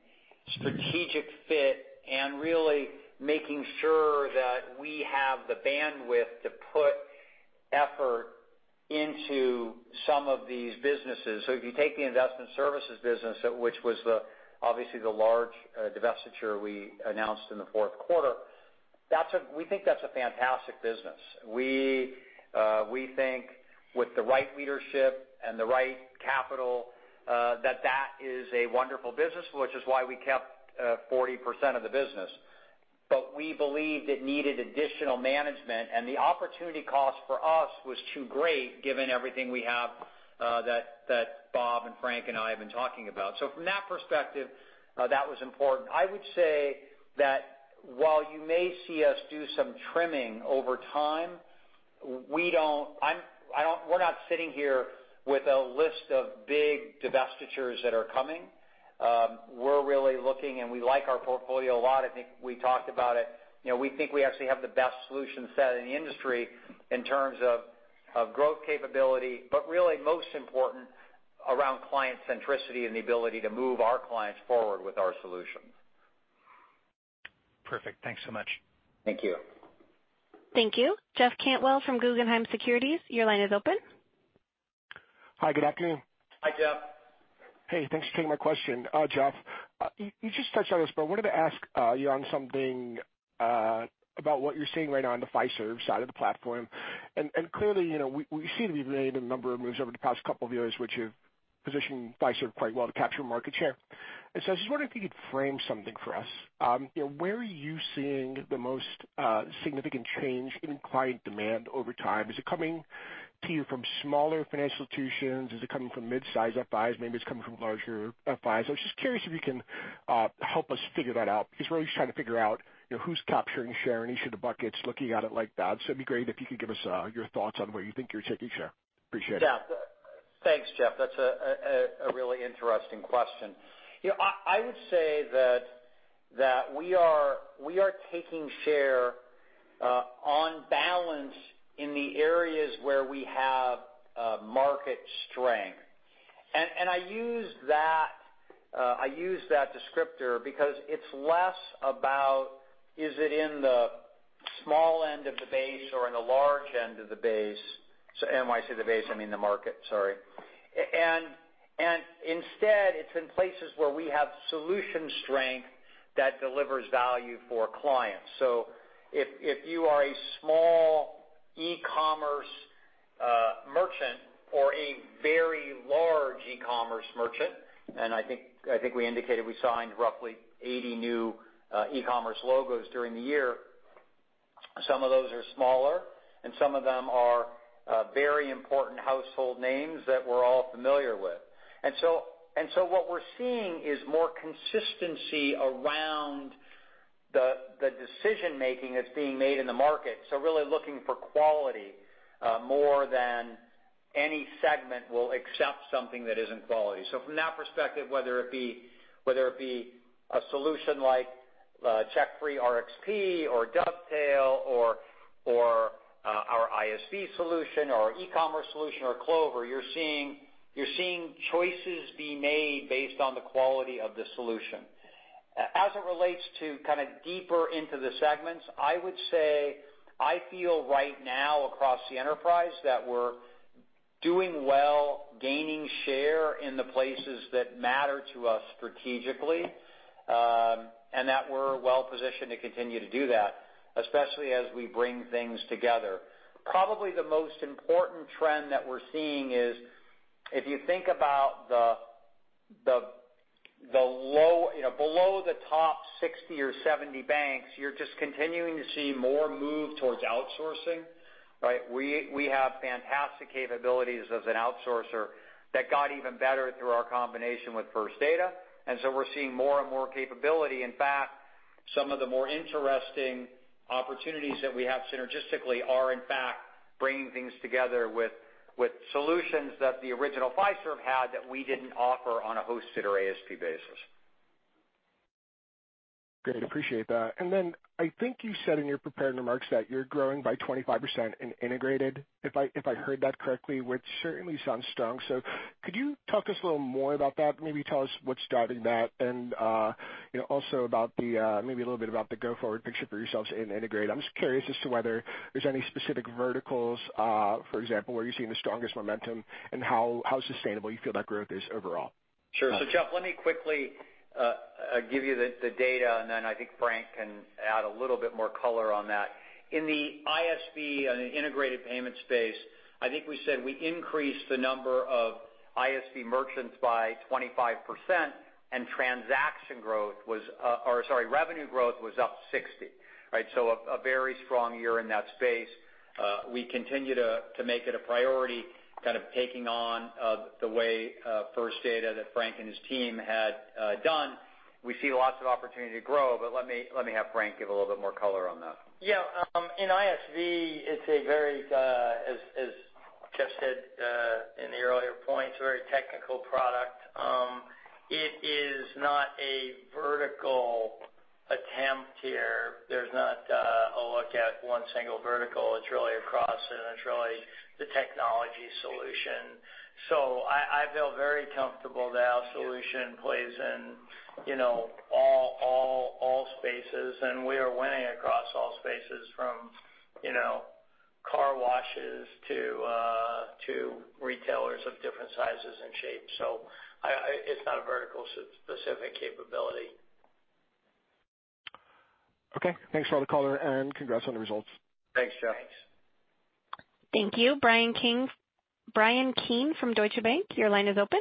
strategic fit and really making sure that we have the bandwidth to put effort into some of these businesses. If you take the investment services business, which was obviously the large divestiture we announced in the fourth quarter, we think that's a fantastic business. We think with the right leadership and the right capital, that that is a wonderful business, which is why we kept 40% of the business. We believed it needed additional management and the opportunity cost for us was too great given everything we have that Bob and Frank and I have been talking about. From that perspective, that was important. I would say that while you may see us do some trimming over time, we're not sitting here with a list of big divestitures that are coming. We're really looking and we like our portfolio a lot. I think we talked about it. We think we actually have the best solution set in the industry in terms of growth capability, but really most important around client centricity and the ability to move our clients forward with our solutions. Perfect. Thanks so much. Thank you. Thank you. Jeff Cantwell from Guggenheim Securities, your line is open. Hi, good afternoon. Hi, Jeff. Hey, thanks for taking my question. Jeff, you just touched on this, but I wanted to ask you on something about what you're seeing right now on the Fiserv side of the platform. Clearly, we seem to be made a number of moves over the past couple of years, which have positioned Fiserv quite well to capture market share. I was just wondering if you could frame something for us. Where are you seeing the most significant change in client demand over time? Is it coming to you from smaller financial institutions? Is it coming from mid-size FIs? Maybe it's coming from larger FIs. I was just curious if you can help us figure that out, because we're always trying to figure out who's capturing share in each of the buckets, looking at it like that. It'd be great if you could give us your thoughts on where you think you're taking share. Appreciate it. Yeah. Thanks, Jeff. That's a really interesting question. I would say that we are taking share on balance in the areas where we have market strength. I use that descriptor because it's less about is it in the small end of the base or in the large end of the base. When I say the base, I mean the market, sorry. Instead, it's in places where we have solution strength that delivers value for clients. If you are a small e-commerce merchant or a very large e-commerce merchant, and I think we indicated we signed roughly 80 new e-commerce logos during the year. Some of those are smaller, and some of them are very important household names that we're all familiar with. What we're seeing is more consistency around the decision-making that's being made in the market. Really looking for quality more than any segment will accept something that isn't quality. From that perspective, whether it be a solution like CheckFree RXP or Dovetail or our ISV solution or our e-commerce solution or Clover, you're seeing choices be made based on the quality of the solution. As it relates to deeper into the segments, I would say I feel right now across the enterprise that we're doing well gaining share in the places that matter to us strategically. That we're well-positioned to continue to do that, especially as we bring things together. Probably the most important trend that we're seeing is if you think about below the top 60 or 70 banks, you're just continuing to see more move towards outsourcing, right? We have fantastic capabilities as an outsourcer that got even better through our combination with First Data. We're seeing more and more capability. In fact, some of the more interesting opportunities that we have synergistically are in fact bringing things together with solutions that the original Fiserv had that we didn't offer on a hosted or ASP basis. Great. Appreciate that. Then I think you said in your prepared remarks that you're growing by 25% in integrated, if I heard that correctly, which certainly sounds strong. Could you talk to us a little more about that? Maybe tell what's driving that and also maybe a little bit about the go-forward picture for yourselves in integrate. I'm just curious as to whether there's any specific verticals, for example, where you're seeing the strongest momentum and how sustainable you feel that growth is overall. Sure. Jeff, let me quickly give you the data, and then I think Frank can add a little bit more color on that. In the ISV and integrated payment space, I think we said we increased the number of ISV merchants by 25% and revenue growth was up 60%. A very strong year in that space. We continue to make it a priority, taking on the way First Data that Frank and his team had done. We see lots of opportunity to grow, let me have Frank give a little bit more color on that. In ISV, it's a very, as Jeff said in the earlier points, very technical product. It is not a vertical attempt here. There's not a look at one single vertical. It's really across and it's really the technology solution. I feel very comfortable that our solution plays in all spaces, and we are winning across all spaces from car washes to retailers of different sizes and shapes. It's not a vertical specific capability. Okay. Thanks for all the color and congrats on the results. Thanks, Jeff. Thank you. Bryan Keane from Deutsche Bank, your line is open.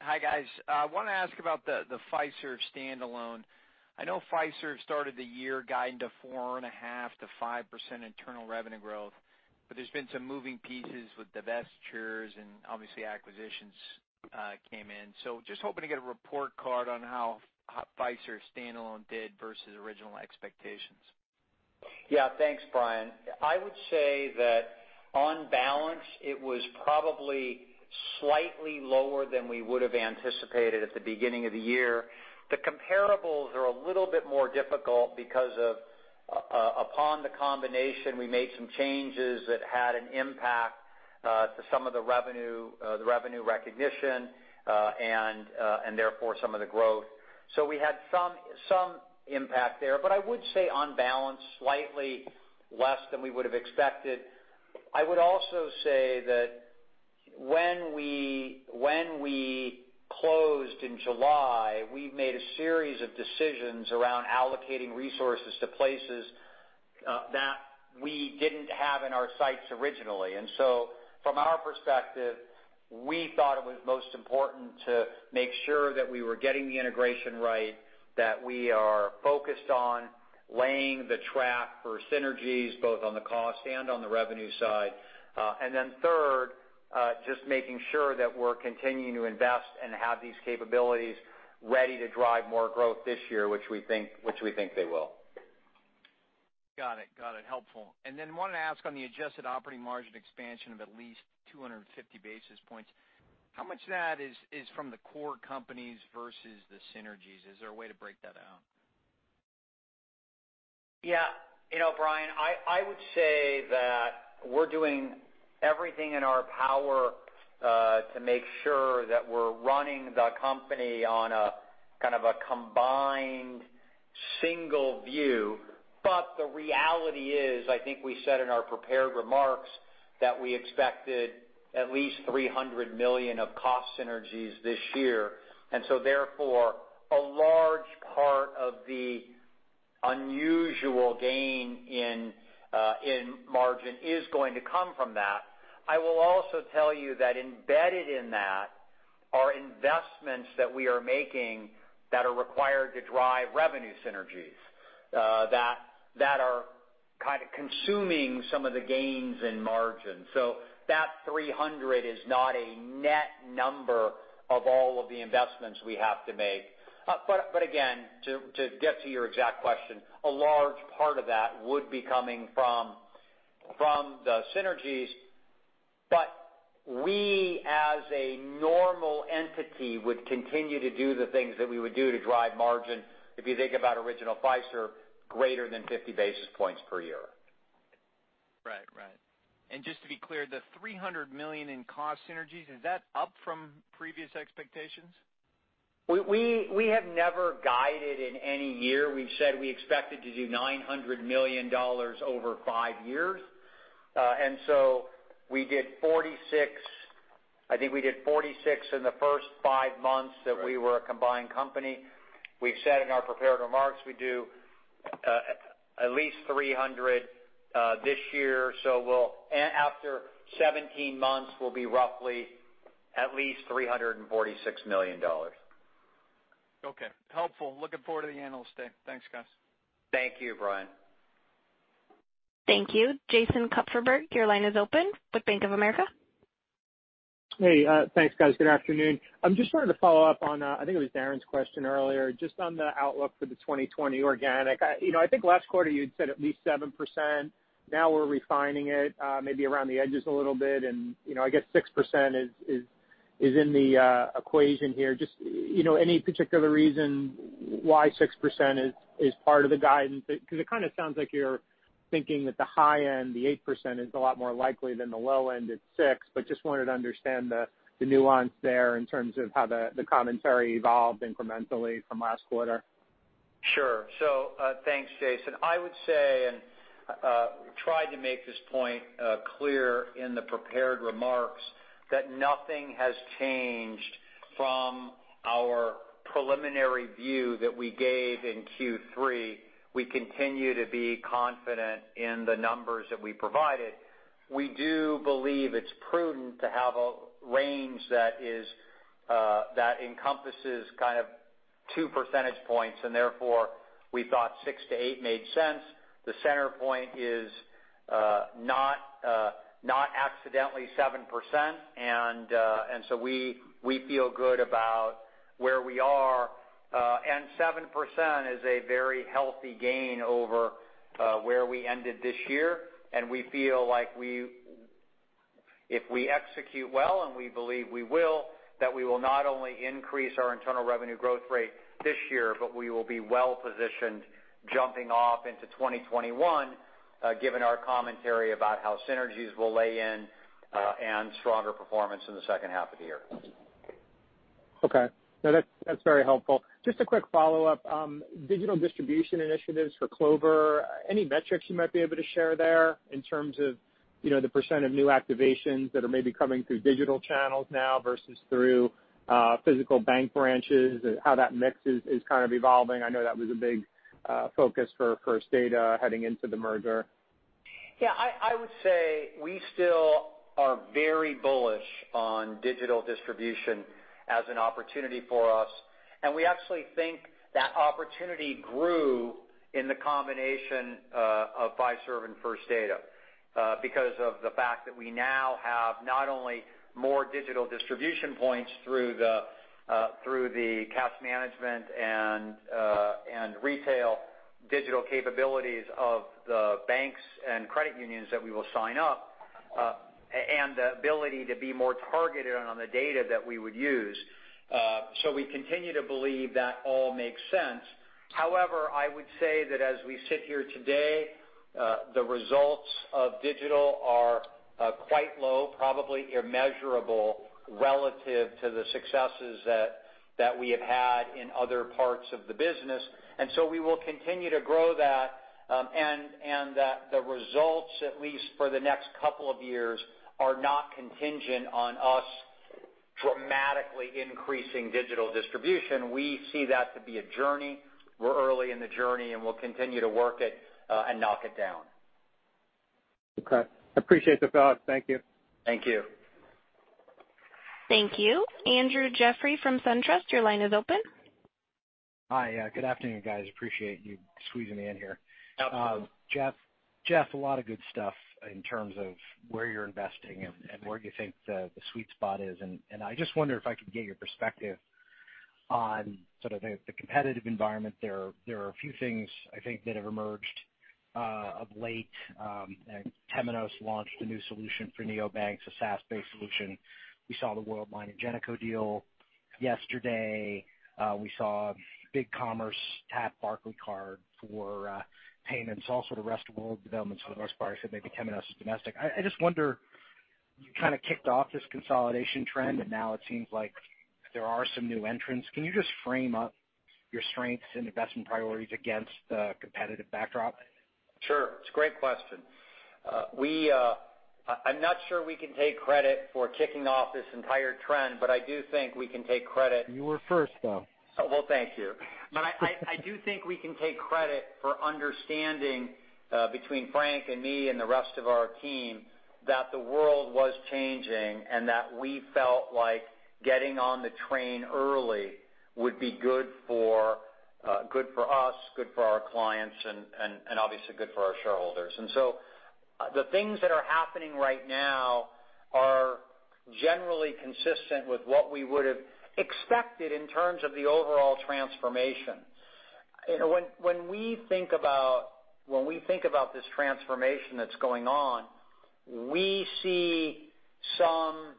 Hi, guys. I want to ask about the Fiserv standalone. I know Fiserv started the year guiding to four and a half to five percent internal revenue growth. There's been some moving pieces with divestitures and obviously acquisitions came in. Just hoping to get a report card on how Fiserv standalone did versus original expectations. Yeah. Thanks, Bryan. I would say that on balance, it was probably slightly lower than we would have anticipated at the beginning of the year. The comparables are a little bit more difficult because upon the combination, we made some changes that had an impact to some of the revenue recognition, and therefore some of the growth. We had some impact there. I would say on balance, slightly less than we would have expected. I would also say that when we closed in July, we made a series of decisions around allocating resources to places that we didn't have in our sights originally. From our perspective, we thought it was most important to make sure that we were getting the integration right, that we are focused on laying the track for synergies, both on the cost and on the revenue side. Third, just making sure that we're continuing to invest and have these capabilities ready to drive more growth this year, which we think they will. Got it. Helpful. Wanted to ask on the adjusted operating margin expansion of at least 250 basis points. How much of that is from the core companies versus the synergies? Is there a way to break that out? Bryan, I would say that we're doing everything in our power to make sure that we're running the company on a kind of combined single view. The reality is, I think we said in our prepared remarks that we expected at least $300 million of cost synergies this year. A large part of the unusual gain in margin is going to come from that. I will also tell you that embedded in that are investments that we are making that are required to drive revenue synergies, that are kind of consuming some of the gains in margin. That $300 is not a net number of all of the investments we have to make. To get to your exact question, a large part of that would be coming from the synergies. We, as a normal entity, would continue to do the things that we would do to drive margin, if you think about original Fiserv, greater than 50 basis points per year. Right. Just to be clear, the $300 million in cost synergies, is that up from previous expectations? We have never guided in any year. We've said we expected to do $900 million over five years. I think we did $46 in the first five months that we were a combined company. We've said in our prepared remarks, we do at least $300 this year. After 17 months, we'll be roughly at least $346 million. Okay. Helpful. Looking forward to the Analyst Day. Thanks, guys. Thank you, Bryan. Thank you. Jason Kupferberg, your line is open with Bank of America. Hey, thanks guys. Good afternoon. I just wanted to follow up on, I think it was Darrin's question earlier, just on the outlook for the 2020 organic. I think last quarter you'd said at least 7%. Now we're refining it maybe around the edges a little bit. I guess 6% is in the equation here. Just any particular reason why six percent is part of the guidance? It kind of sounds like you're thinking that the high end, the eight percent, is a lot more likely than the low end at six. Just wanted to understand the nuance there in terms of how the commentary evolved incrementally from last quarter. Thanks, Jason. I would say, and tried to make this point clear in the prepared remarks, that nothing has changed from our preliminary view that we gave in Q3. We continue to be confident in the numbers that we provided. We do believe it's prudent to have a range that encompasses kind of two percentage points, and therefore we thought six to eight made sense. The center point is not accidentally seven percent, we feel good about where we are. Seven percent is a very healthy gain over where we ended this year, and we feel like if we execute well, and we believe we will, that we will not only increase our internal revenue growth rate this year, but we will be well-positioned jumping off into 2021, given our commentary about how synergies will lay in and stronger performance in the second half of the year. Okay. No, that's very helpful. Just a quick follow-up. Digital distribution initiatives for Clover, any metrics you might be able to share there in terms of the percent of new activations that are maybe coming through digital channels now versus through physical bank branches, how that mix is kind of evolving? I know that was a big focus for First Data heading into the merger. Yeah. I would say we still are very bullish on digital distribution as an opportunity for us, and we actually think that opportunity grew in the combination of Fiserv and First Data because of the fact that we now have not only more digital distribution points through the cash management and retail digital capabilities of the banks and credit unions that we will sign up, and the ability to be more targeted on the data that we would use. We continue to believe that all makes sense. However, I would say that as we sit here today, the results of digital are quite low, probably immeasurable relative to the successes that we have had in other parts of the business. We will continue to grow that, and the results, at least for the next couple of years, are not contingent on us dramatically increasing digital distribution. We see that to be a journey. We're early in the journey, and we'll continue to work it and knock it down. Okay. I appreciate the follow-up. Thank you. Thank you. Thank you. Andrew Jeffrey from SunTrust, your line is open. Hi. Good afternoon, guys. Appreciate you squeezing me in here. Jeff, a lot of good stuff in terms of where you're investing and where you think the sweet spot is. I just wonder if I could get your perspective on the competitive environment. There are a few things, I think, that have emerged of late. Temenos launched a new solution for neobanks, a SaaS-based solution. We saw the Worldline and Ingenico deal yesterday. We saw BigCommerce tap Barclaycard for payments. All sort of rest-of-world developments for the most part. I said maybe Temenos is domestic. I just wonder, you kind of kicked off this consolidation trend, and now it seems like there are some new entrants. Can you just frame up your strengths and investment priorities against the competitive backdrop? Sure. It's a great question. I'm not sure we can take credit for kicking off this entire trend, but I do think we can take credit. You were first, though. Well, thank you. I do think we can take credit for understanding, between Frank and me and the rest of our team, that the world was changing, and that we felt like getting on the train early would be good for us, good for our clients, and obviously good for our shareholders. The things that are happening right now are generally consistent with what we would have expected in terms of the overall transformation. When we think about this transformation that's going on, we see some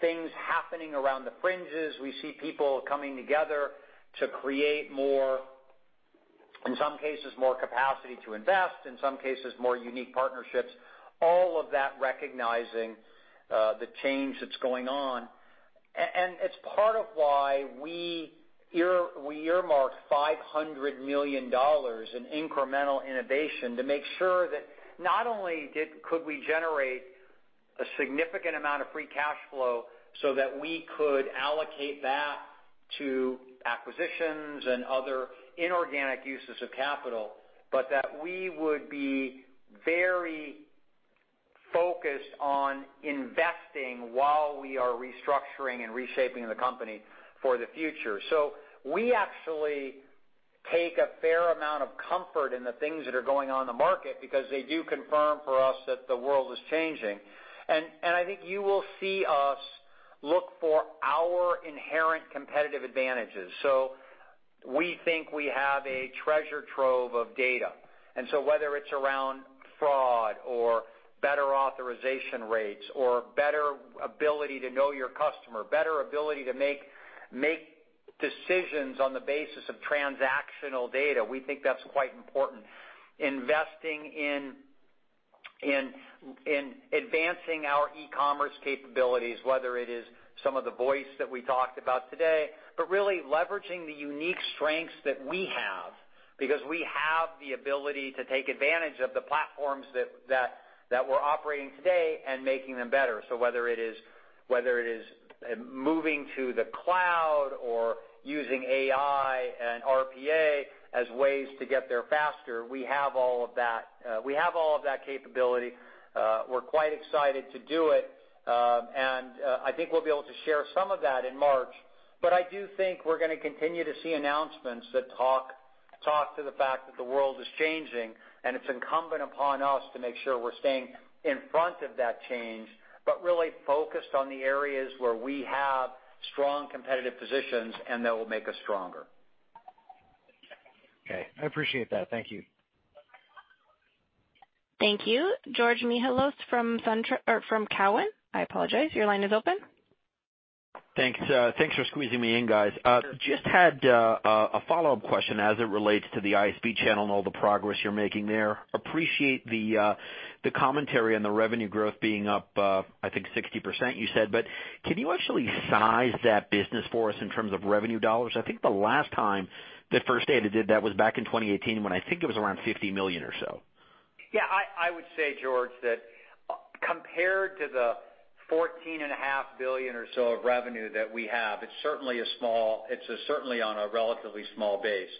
things happening around the fringes. We see people coming together to create more, in some cases, more capacity to invest, in some cases, more unique partnerships. All of that recognizing the change that's going on. It's part of why we earmarked $500 million in incremental innovation to make sure that not only could we generate a significant amount of free cash flow so that we could allocate that to acquisitions and other inorganic uses of capital, but that we would be very focused on investing while we are restructuring and reshaping the company for the future. We actually take a fair amount of comfort in the things that are going on in the market because they do confirm for us that the world is changing. I think you will see us look for our inherent competitive advantages. We think we have a treasure trove of data. Whether it's around fraud or better authorization rates or better ability to know your customer, better ability to make decisions on the basis of transactional data, we think that's quite important. Investing in advancing our e-commerce capabilities, whether it is some of the voice that we talked about today, really leveraging the unique strengths that we have because we have the ability to take advantage of the platforms that we're operating today and making them better. Whether it is moving to the cloud or using AI and RPA as ways to get there faster, we have all of that capability. We're quite excited to do it. I think we'll be able to share some of that in March. I do think we're going to continue to see announcements that talk to the fact that the world is changing. It's incumbent upon us to make sure we're staying in front of that change, really focused on the areas where we have strong competitive positions and that will make us stronger. Okay. I appreciate that. Thank you. Thank you. Georgios Mihalos from SunTrust, or from Cowen, I apologize. Your line is open. Thanks. Thanks for squeezing me in, guys. Just had a follow-up question as it relates to the ISV channel and all the progress you're making there. Appreciate the commentary on the revenue growth being up, I think 60% you said, but can you actually size that business for us in terms of revenue dollars? I think the last time that First Data did that was back in 2018 when I think it was around $50 million or so. Yeah, I would say, George, that compared to the $14.5 billion or so of revenue that we have, it's certainly on a relatively small base.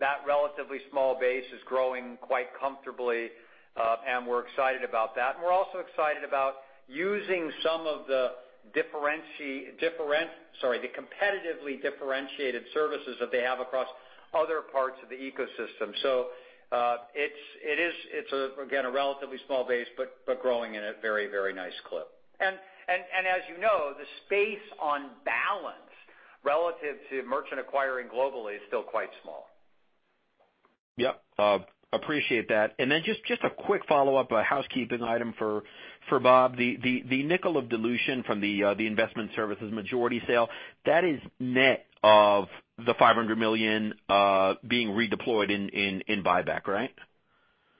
That relatively small base is growing quite comfortably, and we're excited about that. We're also excited about using some of the competitively differentiated services that they have across other parts of the ecosystem. It's again, a relatively small base, but growing in a very nice clip. As you know, the space on balance relative to merchant acquiring globally is still quite small. Yep. Appreciate that. Just a quick follow-up, a housekeeping item for Bob. The $0.05 of dilution from the investment services majority sale, that is net of the $500 million being redeployed in buyback, right?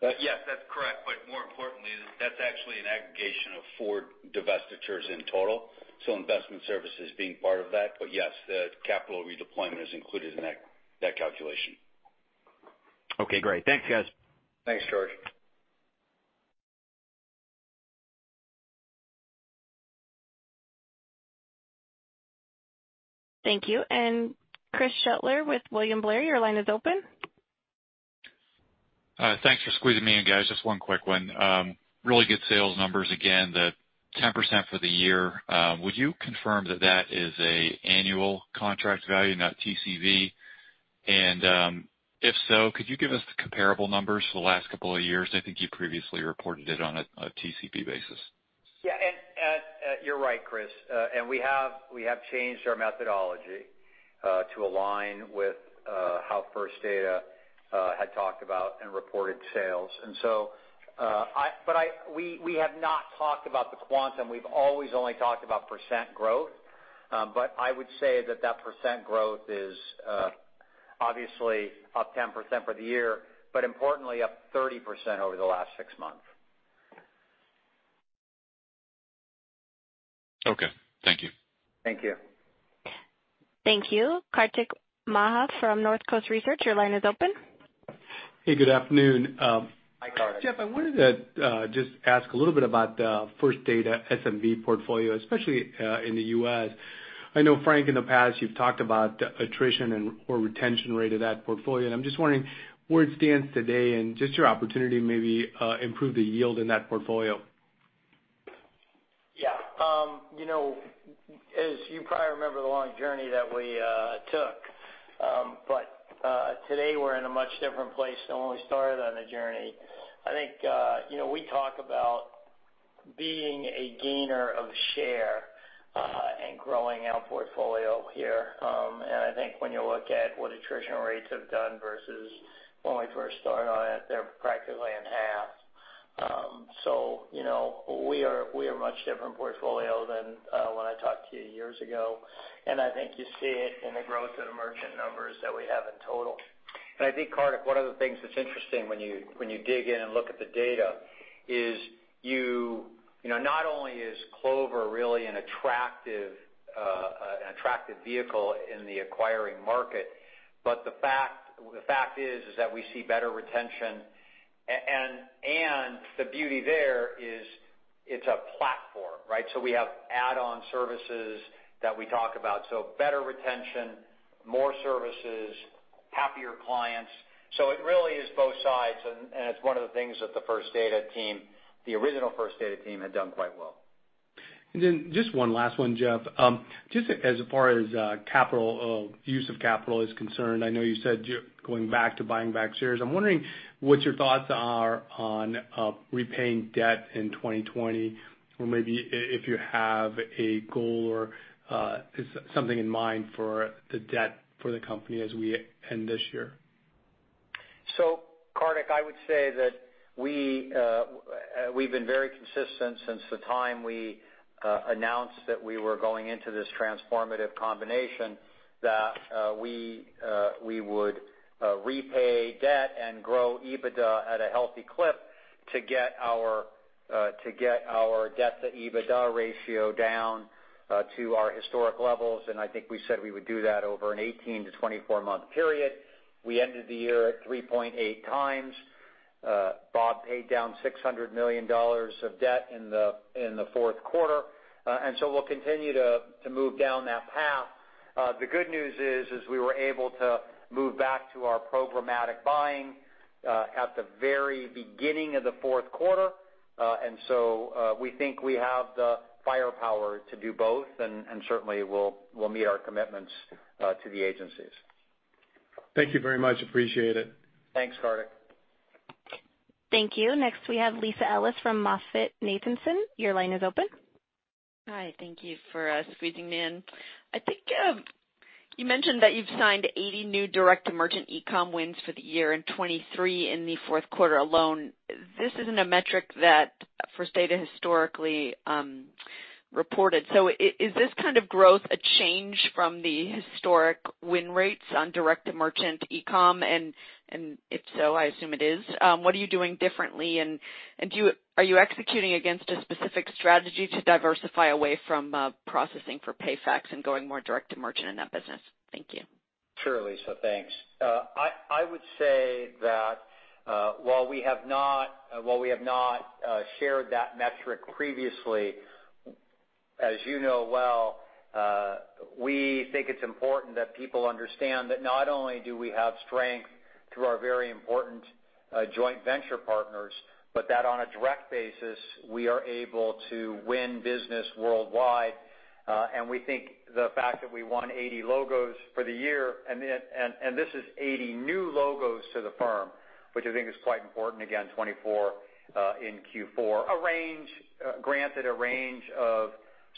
Yes, that's correct. More importantly, that's actually an aggregation of four divestitures in total. Investment services being part of that. Yes, the capital redeployment is included in that calculation. Okay, great. Thanks, guys. Thanks, George. Thank you. Chris Shutler with William Blair, your line is open. Thanks for squeezing me in, guys. Just one quick one. Really good sales numbers again, the 10% for the year. Would you confirm that that is an annual contract value, not TCV? If so, could you give us the comparable numbers for the last couple of years? I think you previously reported it on a TCV basis. Yeah. You're right, Chris. We have changed our methodology to align with how First Data had talked about and reported sales. We have not talked about the quantum. We've always only talked about percent growth. I would say that that percent growth is obviously up 10% for the year, but importantly up 30% over the last six months. Okay. Thank you. Thank you. Thank you. Kartik Mehta from Northcoast Research, your line is open. Hey, good afternoon. Hi, Kartik. Jeff, I wanted to just ask a little bit about the First Data SMB portfolio, especially in the U.S. I know Frank, in the past, you've talked about attrition or retention rate of that portfolio. I'm just wondering where it stands today and just your opportunity to maybe improve the yield in that portfolio. Yeah. As you probably remember, the long journey that we took, but today we're in a much different place than when we started on the journey. I think we talk about being a gainer of share and growing our portfolio here. I think when you look at what attrition rates have done versus when we first started on it, they're practically in half. We are a much different portfolio than when I talked to you years ago, and I think you see it in the growth of the merchant numbers that we have in total. I think, Kartik, one of the things that's interesting when you dig in and look at the data is not only is Clover really an attractive vehicle in the acquiring market, but the fact is that we see better retention. The beauty there is it's a platform, right? We have add-on services that we talk about. Better retention, more services, happier clients. It really is both sides, and it's one of the things that the original First Data team had done quite well. Just one last one, Jeff. Just as far as use of capital is concerned, I know you said going back to buying back shares. I'm wondering what your thoughts are on repaying debt in 2020, or maybe if you have a goal or something in mind for the debt for the company as we end this year. Kartik, I would say that we've been very consistent since the time we announced that we were going into this transformative combination, that we would repay debt and grow EBITDA at a healthy clip to get our debt to EBITDA ratio down to our historic levels, and I think we said we would do that over an 18 to 24-month period. We ended the year at three point eight times. Bob paid down $600 million of debt in the fourth quarter. We'll continue to move down that path. The good news is we were able to move back to our programmatic buying at the very beginning of the fourth quarter. We think we have the firepower to do both, and certainly we'll meet our commitments to the agencies. Thank you very much. Appreciate it. Thanks, Kartik. Thank you. Next, we have Lisa Ellis from MoffettNathanson. Your line is open. Hi. Thank you for squeezing me in. I think you mentioned that you've signed 80 new direct-to-merchant e-com wins for the year and 23 in the fourth quarter alone. Is this kind of growth a change from the historic win rates on direct-to-merchant e-com? If so, I assume it is, what are you doing differently and are you executing against a specific strategy to diversify away from processing for PayFac and going more direct-to-merchant in that business? Thank you. Sure, Lisa, thanks. I would say that while we have not shared that metric previously, as you know well, we think it's important that people understand that not only do we have strength through our very important joint venture partners, but that on a direct basis, we are able to win business worldwide. We think the fact that we won 80 logos for the year, this is 80 new logos to the firm, which I think is quite important, again, 24 in Q4. Granted, a range of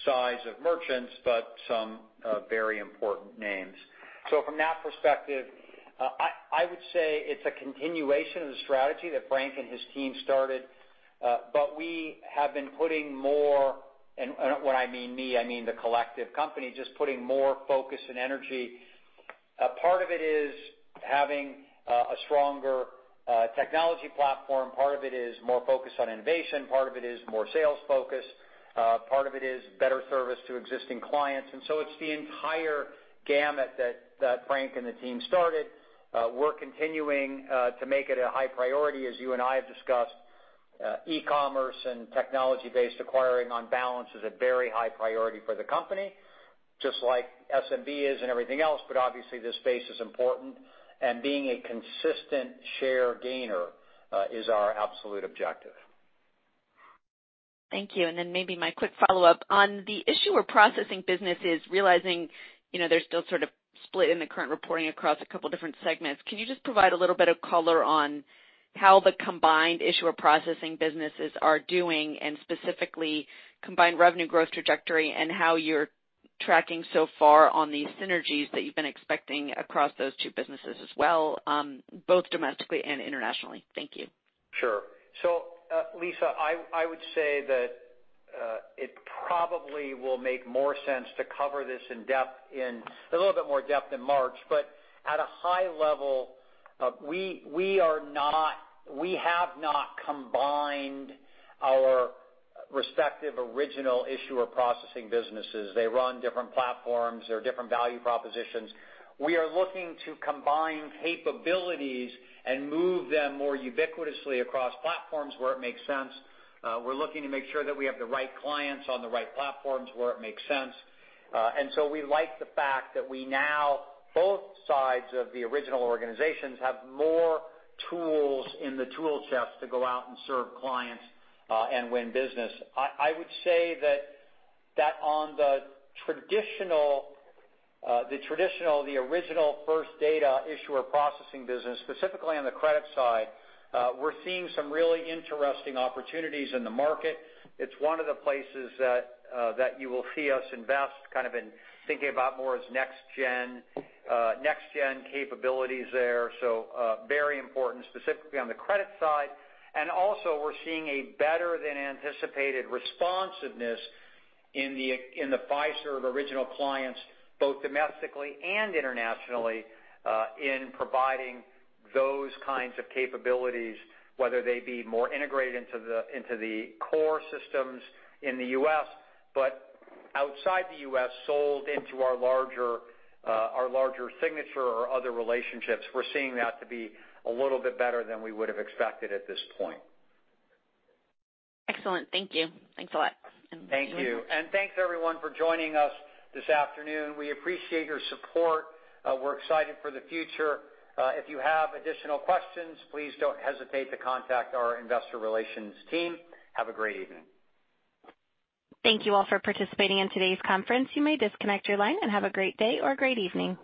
size of merchants, some very important names. From that perspective, I would say it's a continuation of the strategy that Frank and his team started. We have been putting more, and when I mean me, I mean the collective company, just putting more focus and energy. Part of it is having a stronger technology platform. Part of it is more focus on innovation. Part of it is more sales focus. Part of it is better service to existing clients. It's the entire gamut that Frank and the team started. We're continuing to make it a high priority, as you and I have discussed. e-commerce and technology-based acquiring on balance is a very high priority for the company, just like SMB is and everything else, but obviously this space is important. Being a consistent share gainer is our absolute objective. Thank you. Then maybe my quick follow-up. On the issuer processing businesses, realizing there's still sort of split in the current reporting across a couple different segments. Can you just provide a little bit of color on how the combined issuer processing businesses are doing, and specifically combined revenue growth trajectory and how you're tracking so far on the synergies that you've been expecting across those two businesses as well, both domestically and internationally? Thank you. Sure. Lisa, I would say that it probably will make more sense to cover this in a little bit more depth in March. At a high level, we have not combined our respective original issuer processing businesses. They run different platforms. They're different value propositions. We are looking to combine capabilities and move them more ubiquitously across platforms where it makes sense. We're looking to make sure that we have the right clients on the right platforms where it makes sense. We like the fact that we now, both sides of the original organizations, have more tools in the tool chest to go out and serve clients, and win business. I would say that on the traditional, the original First Data issuer processing business, specifically on the credit side, we're seeing some really interesting opportunities in the market. It's one of the places that you will see us invest, kind of in thinking about more as next-gen capabilities there. Very important specifically on the credit side. Also we're seeing a better-than-anticipated responsiveness in the Fiserv original clients, both domestically and internationally, in providing those kinds of capabilities, whether they be more integrated into the core systems in the U.S. Outside the U.S., sold into our larger Signature or other relationships, we're seeing that to be a little bit better than we would have expected at this point. Excellent. Thank you. Thanks a lot. Thank you. Thanks everyone for joining us this afternoon. We appreciate your support. We're excited for the future. If you have additional questions, please don't hesitate to contact our investor relations team. Have a great evening. Thank you all for participating in today's conference. You may disconnect your line and have a great day or a great evening.